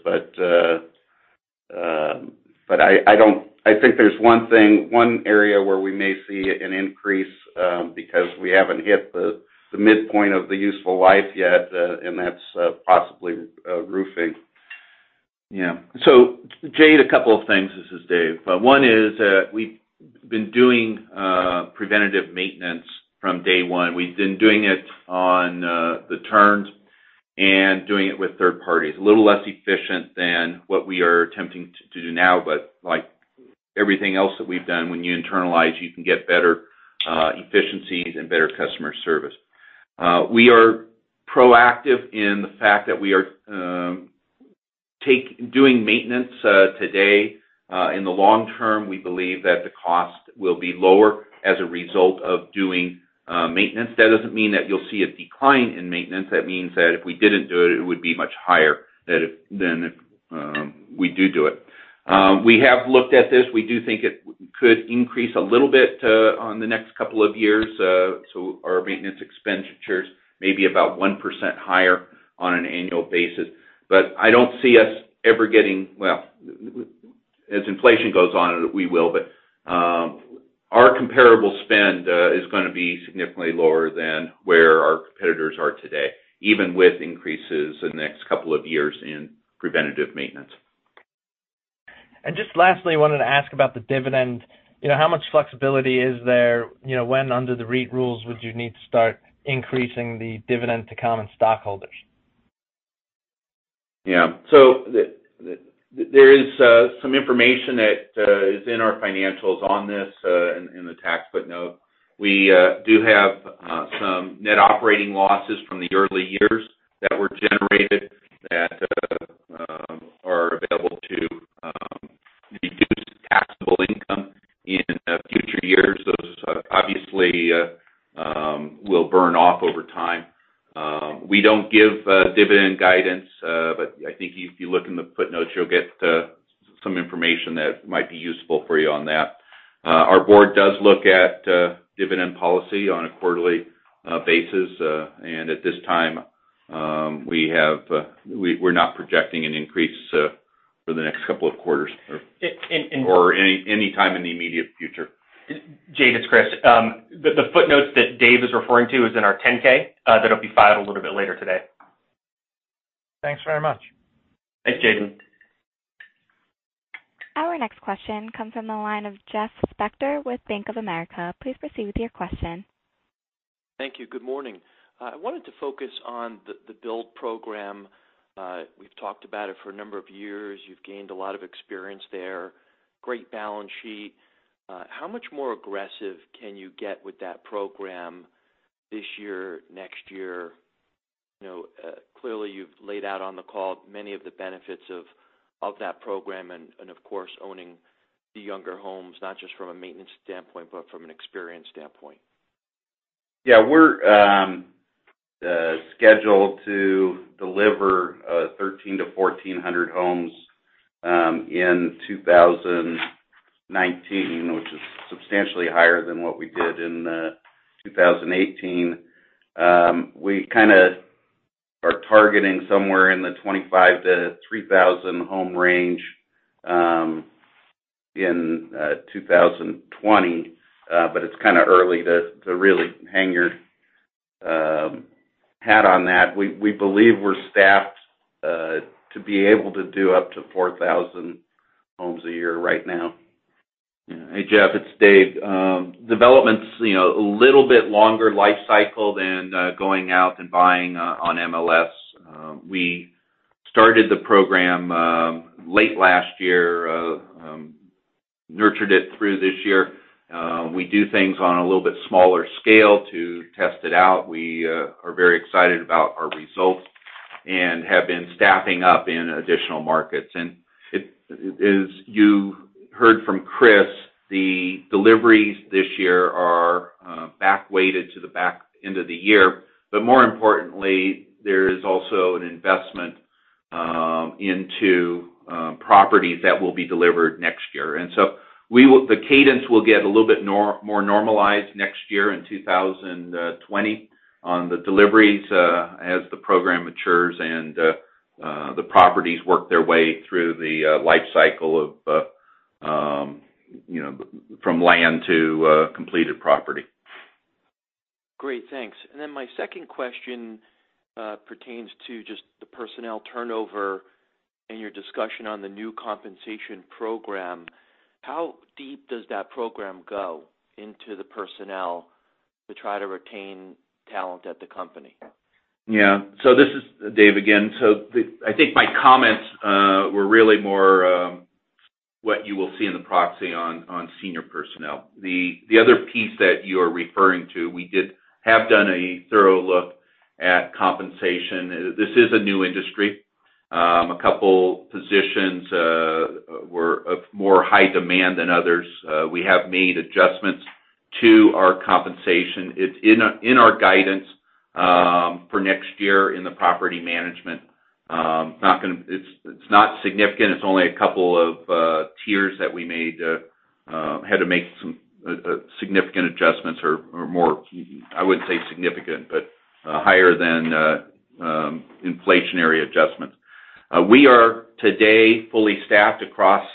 I think there's one area where we may see an increase, because we haven't hit the midpoint of the useful life yet. That's possibly roofing. Jay, a couple of things. This is David. One is that we've been doing preventative maintenance from day one. We've been doing it on the turns and doing it with third parties. A little less efficient than what we are attempting to do now, but like everything else that we've done, when you internalize, you can get better efficiencies and better customer service. We are proactive in the fact that we are doing maintenance today. In the long term, we believe that the cost will be lower as a result of doing maintenance. That doesn't mean that you'll see a decline in maintenance. That means that if we didn't do it would be much higher than if we do it. We have looked at this. We do think it could increase a little bit on the next couple of years. Our maintenance expenditures may be about 1% higher on an annual basis. I don't see us ever getting. Well, as inflation goes on, we will, but our comparable spend is going to be significantly lower than where our competitors are today, even with increases in the next couple of years in preventative maintenance. Just lastly, I wanted to ask about the dividend. How much flexibility is there? When under the REIT rules would you need to start increasing the dividend to common stockholders? Yeah. There is some information that is in our financials on this, in the tax footnote. We do have some net operating losses from the early years that were generated that are available to reduce taxable income in future years. Those obviously will burn off over time. We don't give dividend guidance, but I think if you look in the footnotes, you'll get some information that might be useful for you on that. Our board does look at dividend policy on a quarterly basis. At this time, we're not projecting an increase for the next couple of quarters or any time in the immediate future. Jade, it's Chris. The footnotes that David is referring to is in our 10-K, that'll be filed a little bit later today. Thanks very much. Thanks, Jade. Our next question comes from the line of Jeff Spector with Bank of America. Please proceed with your question. Thank you. Good morning. I wanted to focus on the build program. We've talked about it for a number of years. You've gained a lot of experience there. Great balance sheet. How much more aggressive can you get with that program this year, next year? Clearly you've laid out on the call many of the benefits of that program and of course, owning the younger homes, not just from a maintenance standpoint, but from an experience standpoint. We're scheduled to deliver 1,300 to 1,400 homes in 2019, which is substantially higher than what we did in 2018. We kind of are targeting somewhere in the 2,500 to 3,000 home range in 2020. It's kind of early to really hang your hat on that. We believe we're staffed to be able to do up to 4,000 homes a year right now. Hey, Jeff, it's David. Development's a little bit longer life cycle than going out and buying on MLS. We started the program late last year, nurtured it through this year. We do things on a little bit smaller scale to test it out. We are very excited about our results and have been staffing up in additional markets. As you heard from Chris, the deliveries this year are back-weighted to the back end of the year. More importantly, there is also an investment into properties that will be delivered next year. The cadence will get a little bit more normalized next year in 2020 on the deliveries as the program matures and the properties work their way through the life cycle from land to completed property. Great, thanks. My second question pertains to just the personnel turnover and your discussion on the new compensation program. How deep does that program go into the personnel to try to retain talent at the company? This is David again. I think my comments were really more what you will see in the proxy on senior personnel. The other piece that you are referring to, we have done a thorough look at compensation. This is a new industry. A couple positions were of more high demand than others. We have made adjustments to our compensation. It's in our guidance for next year in the property management. It's not significant. It's only a couple of tiers that we had to make some significant adjustments, or more, I wouldn't say significant, but higher than inflationary adjustments. We are today fully staffed across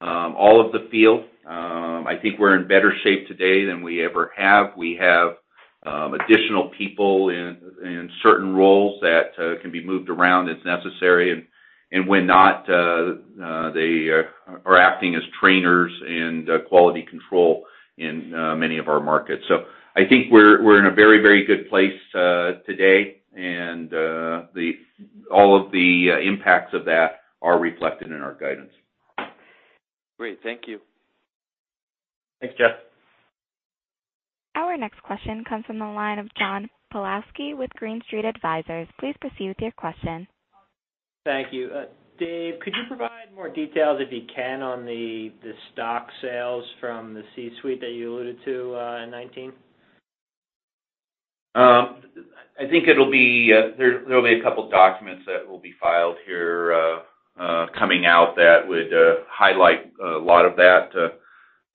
all of the field. I think we're in better shape today than we ever have. We have additional people in certain roles that can be moved around as necessary, and when not, they are acting as trainers and quality control in many of our markets. I think we're in a very good place today, and all of the impacts of that are reflected in our guidance. Great. Thank you. Thanks, Jeff. Our next question comes from the line of John Pawlowski with Green Street Advisors. Please proceed with your question. Thank you. David, could you provide more details, if you can, on the stock sales from the C-suite that you alluded to in 2019? I think there will be a couple documents that will be filed here coming out that would highlight a lot of that.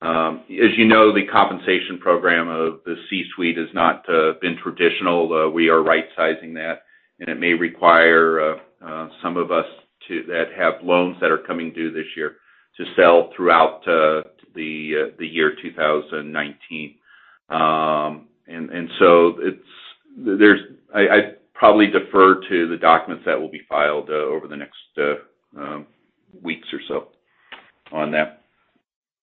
As you know, the compensation program of the C-suite has not been traditional. We are right-sizing that, and it may require some of us that have loans that are coming due this year to sell throughout the year 2019. I probably defer to the documents that will be filed over the next weeks or so on that.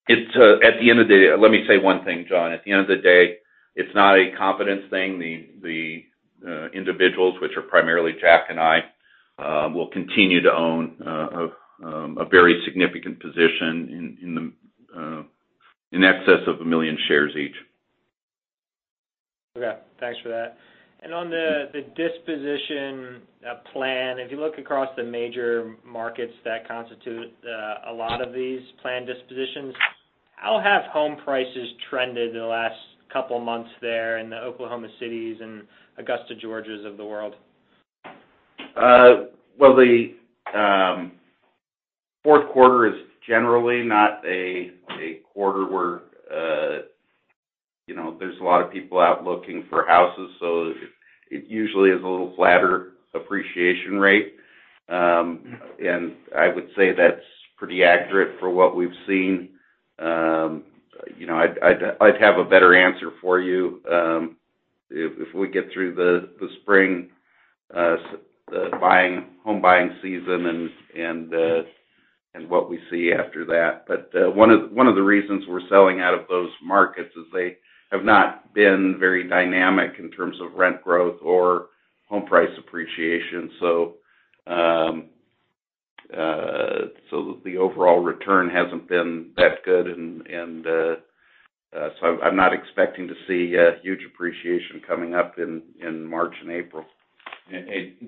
Let me say one thing, John. At the end of the day, it's not a confidence thing. The individuals, which are primarily Jack and I, will continue to own a very significant position in excess of 1 million shares each. Okay. Thanks for that. On the disposition plan, if you look across the major markets that constitute a lot of these planned dispositions, how have home prices trended in the last couple of months there in the Oklahoma City and Augusta, Georgia of the world? Well, the Q4 is generally not a quarter where there's a lot of people out looking for houses, so it usually is a little flatter appreciation rate. I would say that's pretty accurate for what we've seen. I'd have a better answer for you if we get through the spring home buying season and what we see after that. One of the reasons we're selling out of those markets is they have not been very dynamic in terms of rent growth or home price appreciation. The overall return hasn't been that good, I'm not expecting to see a huge appreciation coming up in March and April.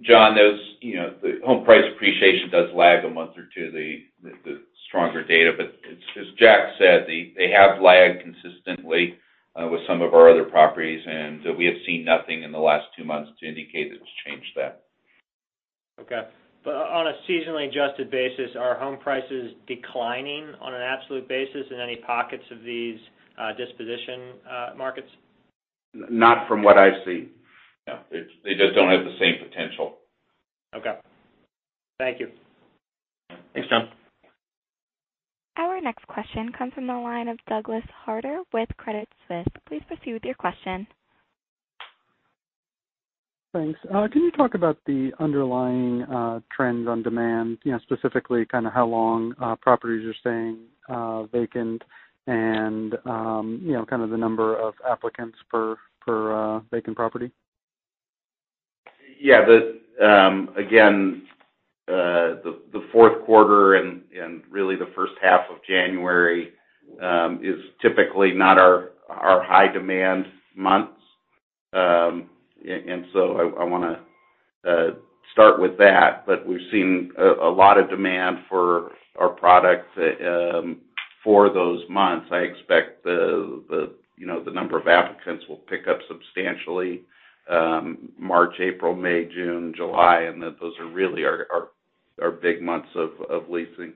John, the home price appreciation does lag a month or two, the stronger data. As Jack said, they have lagged consistently with some of our other properties, and we have seen nothing in the last two months to indicate that's changed that. Okay. On a seasonally adjusted basis, are home prices declining on an absolute basis in any pockets of these disposition markets? Not from what I see. No. They just don't have the same potential. Okay. Thank you. Thanks, John. Our next question comes from the line of Douglas Harter with Credit Suisse. Please proceed with your question. Thanks. Can you talk about the underlying trends on demand, specifically how long properties are staying vacant and the number of applicants per vacant property? Again, the Q4 and really the first half of January is typically not our high-demand months. I want to start with that, but we've seen a lot of demand for our products for those months. I expect the number of applicants will pick up substantially March, April, May, June, July, those are really our big months of leasing.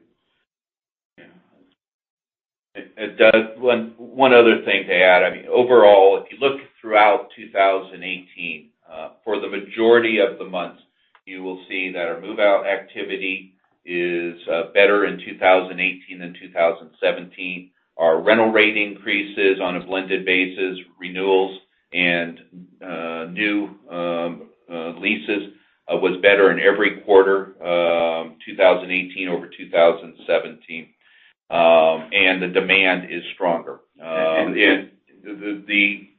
Doug, one other thing to add. Overall, if you look throughout 2018, for the majority of the months, you will see that our move-out activity is better in 2018 than 2017. Our rental rate increases on a blended basis, renewals, and new leases was better in every quarter 2018 over 2017. The demand is stronger. The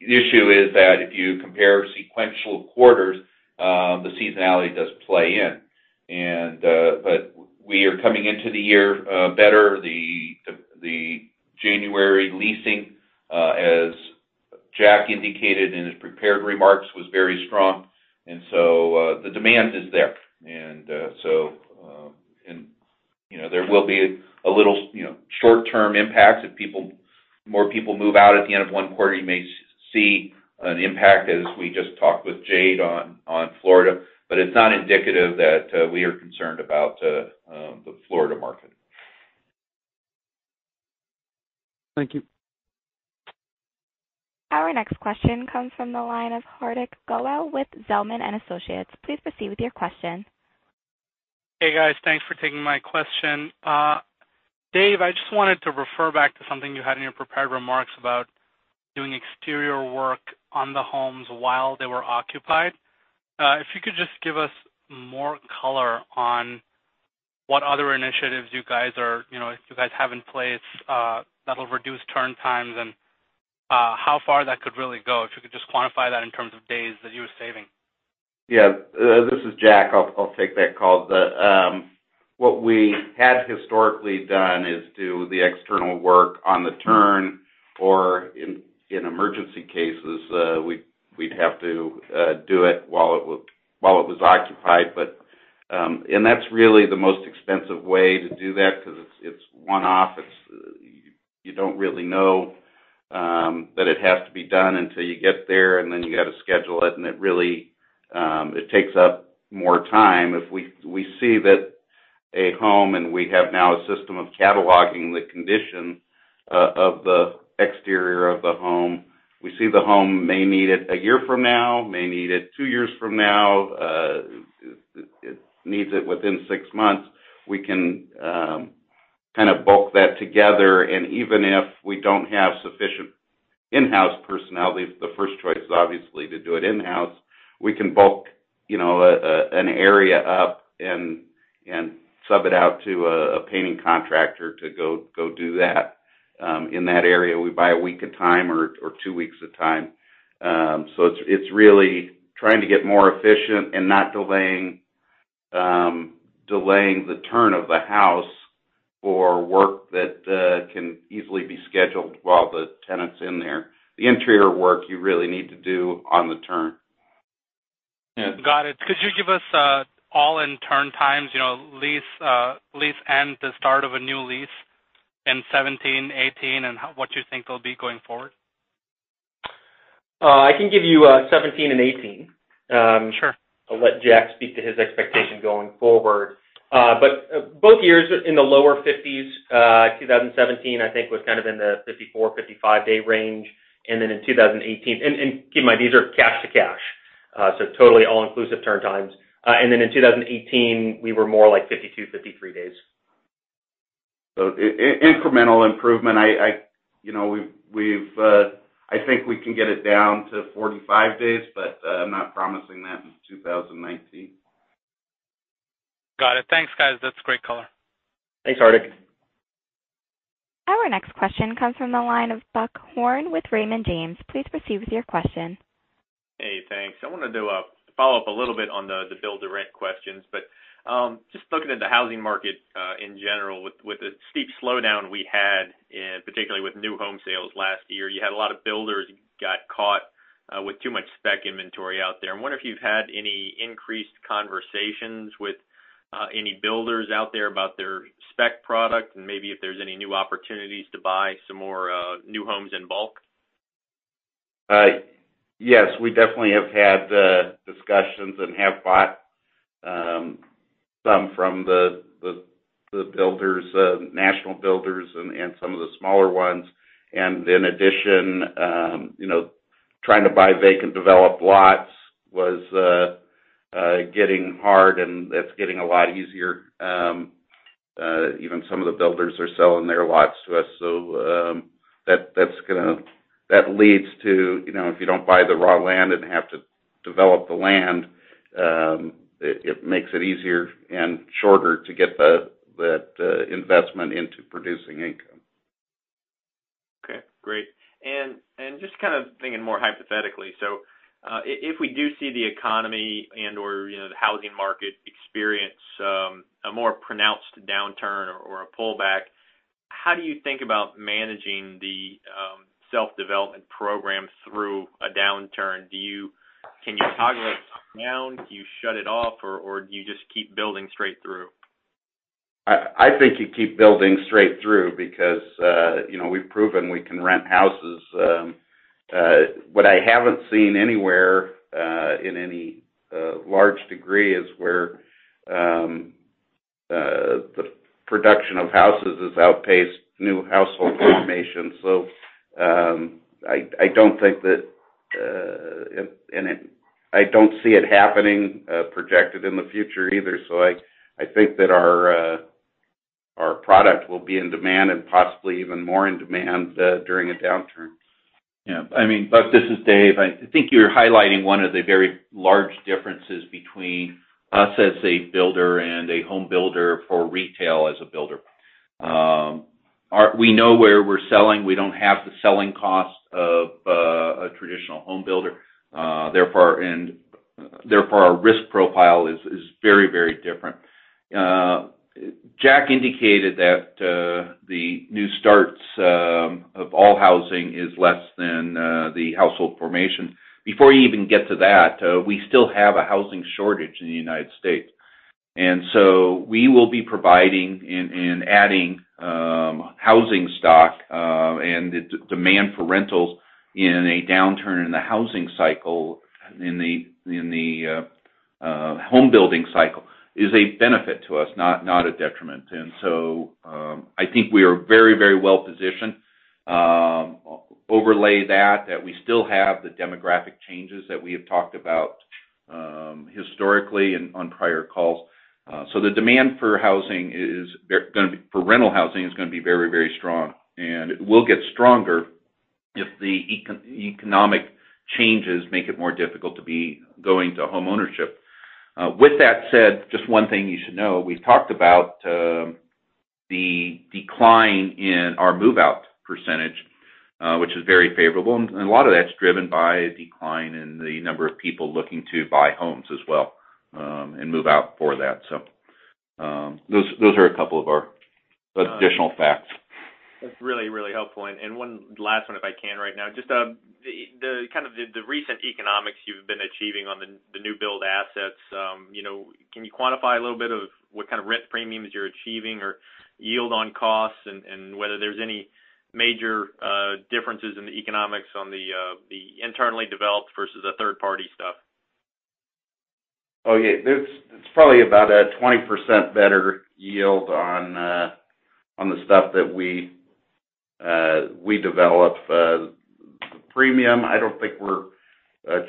issue is that if you compare sequential quarters, the seasonality does play in. We are coming into the year better. The January leasing, as Jack indicated in his prepared remarks, was very strong. The demand is there. There will be a little short-term impact. If more people move out at the end of one quarter, you may see an impact as we just talked with Jade on Florida. It's not indicative that we are concerned about the Florida market. Thank you. Our next question comes from the line of Hardik Goel with Zelman & Associates. Please proceed with your question. Hey, guys. Thanks for taking my question. David, I just wanted to refer back to something you had in your prepared remarks about doing exterior work on the homes while they were occupied. If you could just give us more color on what other initiatives you guys have in place that'll reduce turn times and how far that could really go. If you could just quantify that in terms of days that you were saving. Yeah. This is Jack. I'll take that call. What we had historically done is do the external work on the turn, or in emergency cases, we'd have to do it while it was occupied. That's really the most expensive way to do that because it's one-off. You don't really know that it has to be done until you get there, and then you got to schedule it, and it really takes up more time. If we see that a home, and we have now a system of cataloging the condition of the exterior of the home, we see the home may need it a year from now, may need it two years from now, it needs it within six months, we can kind of bulk that together. Even if we don't have sufficient in-house personnel, the first choice is obviously to do it in-house. We can bulk an area up and sub it out to a painting contractor to go do that in that area. We buy a week a time or two weeks a time. It's really trying to get more efficient and not delaying the turn of the house for work that can easily be scheduled while the tenant's in there. The interior work you really need to do on the turn. Got it. Could you give us all-in turn times, lease end to start of a new lease in 2017, 2018, and what you think they'll be going forward? I can give you 2017 and 2018. Sure. I'll let Jack speak to his expectation going forward. Both years in the lower 50s. 2017, I think, was kind of in the 54, 55-day range. Keep in mind, these are cash to cash. Totally all-inclusive turn times. In 2018, we were more like 52, 53 days. Incremental improvement. I think we can get it down to 45 days, but I'm not promising that in 2019. Got it. Thanks, guys. That's great color. Thanks, Hardik. Our next question comes from the line of Buck Horne with Raymond James. Please proceed with your question. Hey, thanks. I want to do a follow-up a little bit on the build-to-rent questions. Just looking at the housing market in general, with the steep slowdown we had, particularly with new home sales last year, you had a lot of builders got caught with too much spec inventory out there. I wonder if you've had any increased conversations with any builders out there about their spec product and maybe if there's any new opportunities to buy some more new homes in bulk. Yes. We definitely have had discussions and have bought some from the national builders and some of the smaller ones. In addition, trying to buy vacant developed lots was getting hard, and that's getting a lot easier. Even some of the builders are selling their lots to us. That leads to, if you don't buy the raw land and have to develop the land, it makes it easier and shorter to get that investment into producing income. Okay, great. Just kind of thinking more hypothetically, if we do see the economy and/or the housing market experience a more pronounced downturn or a pullback, how do you think about managing the self-development program through a downturn? Can you toggle it down? Do you shut it off or do you just keep building straight through? I think you keep building straight through because we've proven we can rent houses. What I haven't seen anywhere, in any large degree is where the production of houses has outpaced new household formation. I don't see it happening projected in the future either. I think that our product will be in demand and possibly even more in demand during a downturn. Yeah. Buck, this is David. I think you're highlighting one of the very large differences between us as a builder and a home builder for retail as a builder. We know where we're selling. We don't have the selling cost of a traditional home builder. Therefore, our risk profile is very different. Jack indicated that the new starts of all housing is less than the household formation. Before you even get to that, we still have a housing shortage in the U.S. We will be providing and adding housing stock, the demand for rentals in a downturn in the housing cycle, in the home building cycle is a benefit to us, not a detriment. I think we are very well positioned. Overlay that we still have the demographic changes that we have talked about historically and on prior calls. The demand for rental housing is going to be very strong. It will get stronger if the economic changes make it more difficult to be going to homeownership. With that said, just one thing you should know. We've talked about the decline in our move-out %, which is very favorable. A lot of that's driven by a decline in the number of people looking to buy homes as well, move out for that. Those are a couple of our additional facts. That's really helpful. One last one if I can right now. Just the kind of the recent economics you've been achieving on the new build assets. Can you quantify a little bit of what kind of rent premiums you're achieving or yield on costs and whether there's any major differences in the economics on the internally developed versus the third-party stuff? Oh, yeah. It's probably about a 20% better yield on the stuff that we develop. The premium, I don't think we're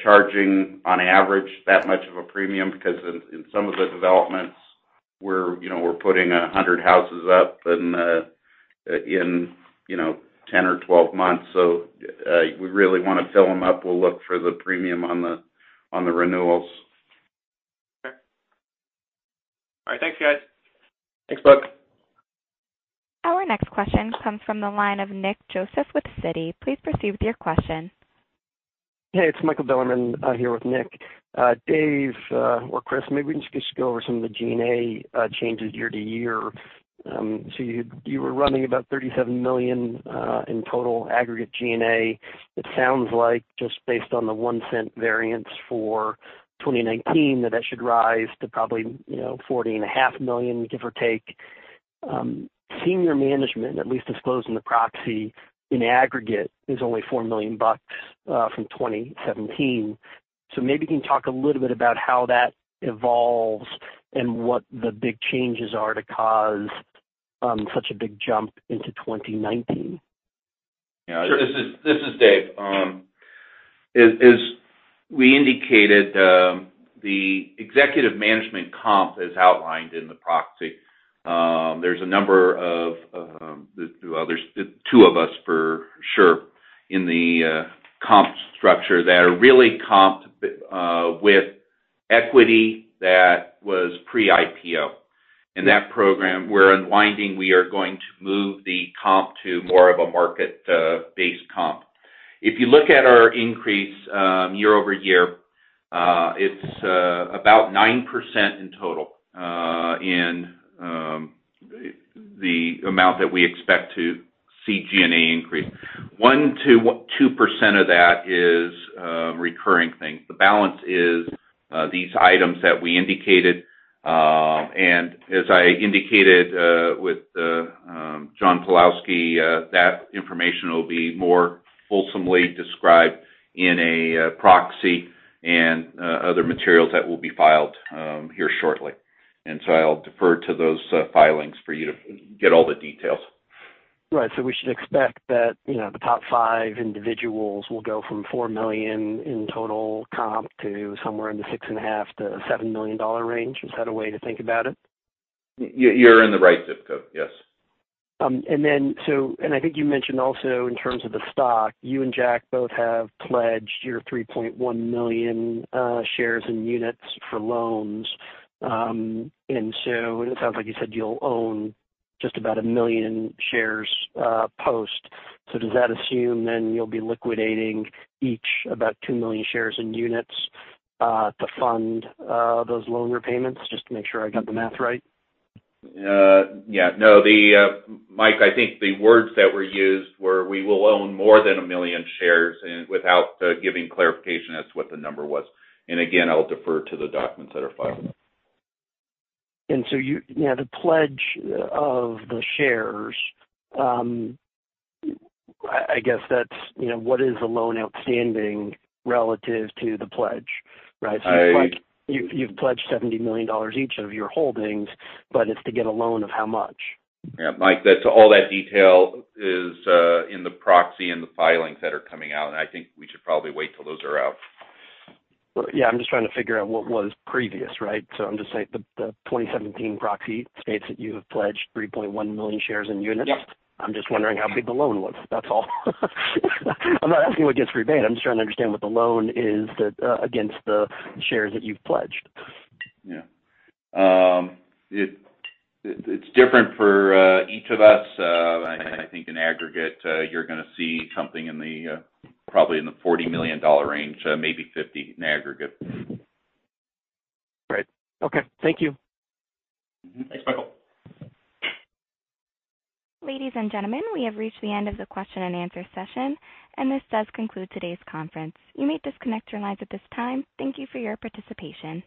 charging on average that much of a premium because in some of the developments, we're putting 100 houses up in 10 or 12 months. We really want to fill them up. We'll look for the premium on the renewals. Okay. All right. Thanks, guys. Thanks, Buck. Our next question comes from the line of Nick Joseph with Citi. Please proceed with your question. Hey, it's Michael Bilerman. I'm here with Nick. David or Chris, maybe we can just go over some of the G&A changes year-to-year. You were running about $37 million in total aggregate G&A. It sounds like just based on the $0.01 variance for 2019, that should rise to probably, $40.5 million, give or take. Senior management, at least disclosed in the proxy in aggregate, is only $4 million from 2017. Maybe you can talk a little bit about how that evolves and what the big changes are to cause such a big jump into 2019. Yeah. Sure. This is David. As we indicated, the executive management comp is outlined in the proxy. There's a number of the two of us for sure in the comp structure that are really comped with equity that was pre-IPO. In that program we're unwinding, we are going to move the comp to more of a market-based comp. If you look at our increase year-over-year, it's about 9% in total in the amount that we expect to see G&A increase. 1%-2% of that is a recurring thing. The balance is these items that we indicated. As I indicated with John Pawlowski, that information will be more fulsomely described in a proxy and other materials that will be filed here shortly. I'll defer to those filings for you to get all the details. Right. We should expect that the top five individuals will go from $4 million in total comp to somewhere in the six and a half to seven million dollar range. Is that a way to think about it? You're in the right zip code, yes. I think you mentioned also in terms of the stock, you and Jack both have pledged your 3.1 million shares in units for loans. It sounds like you said you'll own just about 1 million shares post. Does that assume then you'll be liquidating each about 2 million shares in units to fund those loan repayments? Just to make sure I got the math right. Yeah. No, Michael, I think the words that were used were, we will own more than 1 million shares and without giving clarification as what the number was. Again, I'll defer to the documents that are filed. The pledge of the shares, what is the loan outstanding relative to the pledge? Right? It's like you've pledged $70 million each of your holdings, but it's to get a loan of how much? Michael, all that detail is in the proxy and the filings that are coming out. I think we should probably wait till those are out. I'm just trying to figure out what was previous, right? I'm just saying the 2017 proxy states that you have pledged 3.1 million shares in units. Yeah. I'm just wondering how big the loan was, that's all. I'm not asking what gets repaid. I'm just trying to understand what the loan is against the shares that you've pledged. It's different for each of us. I think in aggregate, you're going to see something probably in the $40 million range, maybe $50 in aggregate. Right. Okay. Thank you. Thanks, Michael. Ladies and gentlemen, we have reached the end of the question and answer session, and this does conclude today's conference. You may disconnect your lines at this time. Thank you for your participation.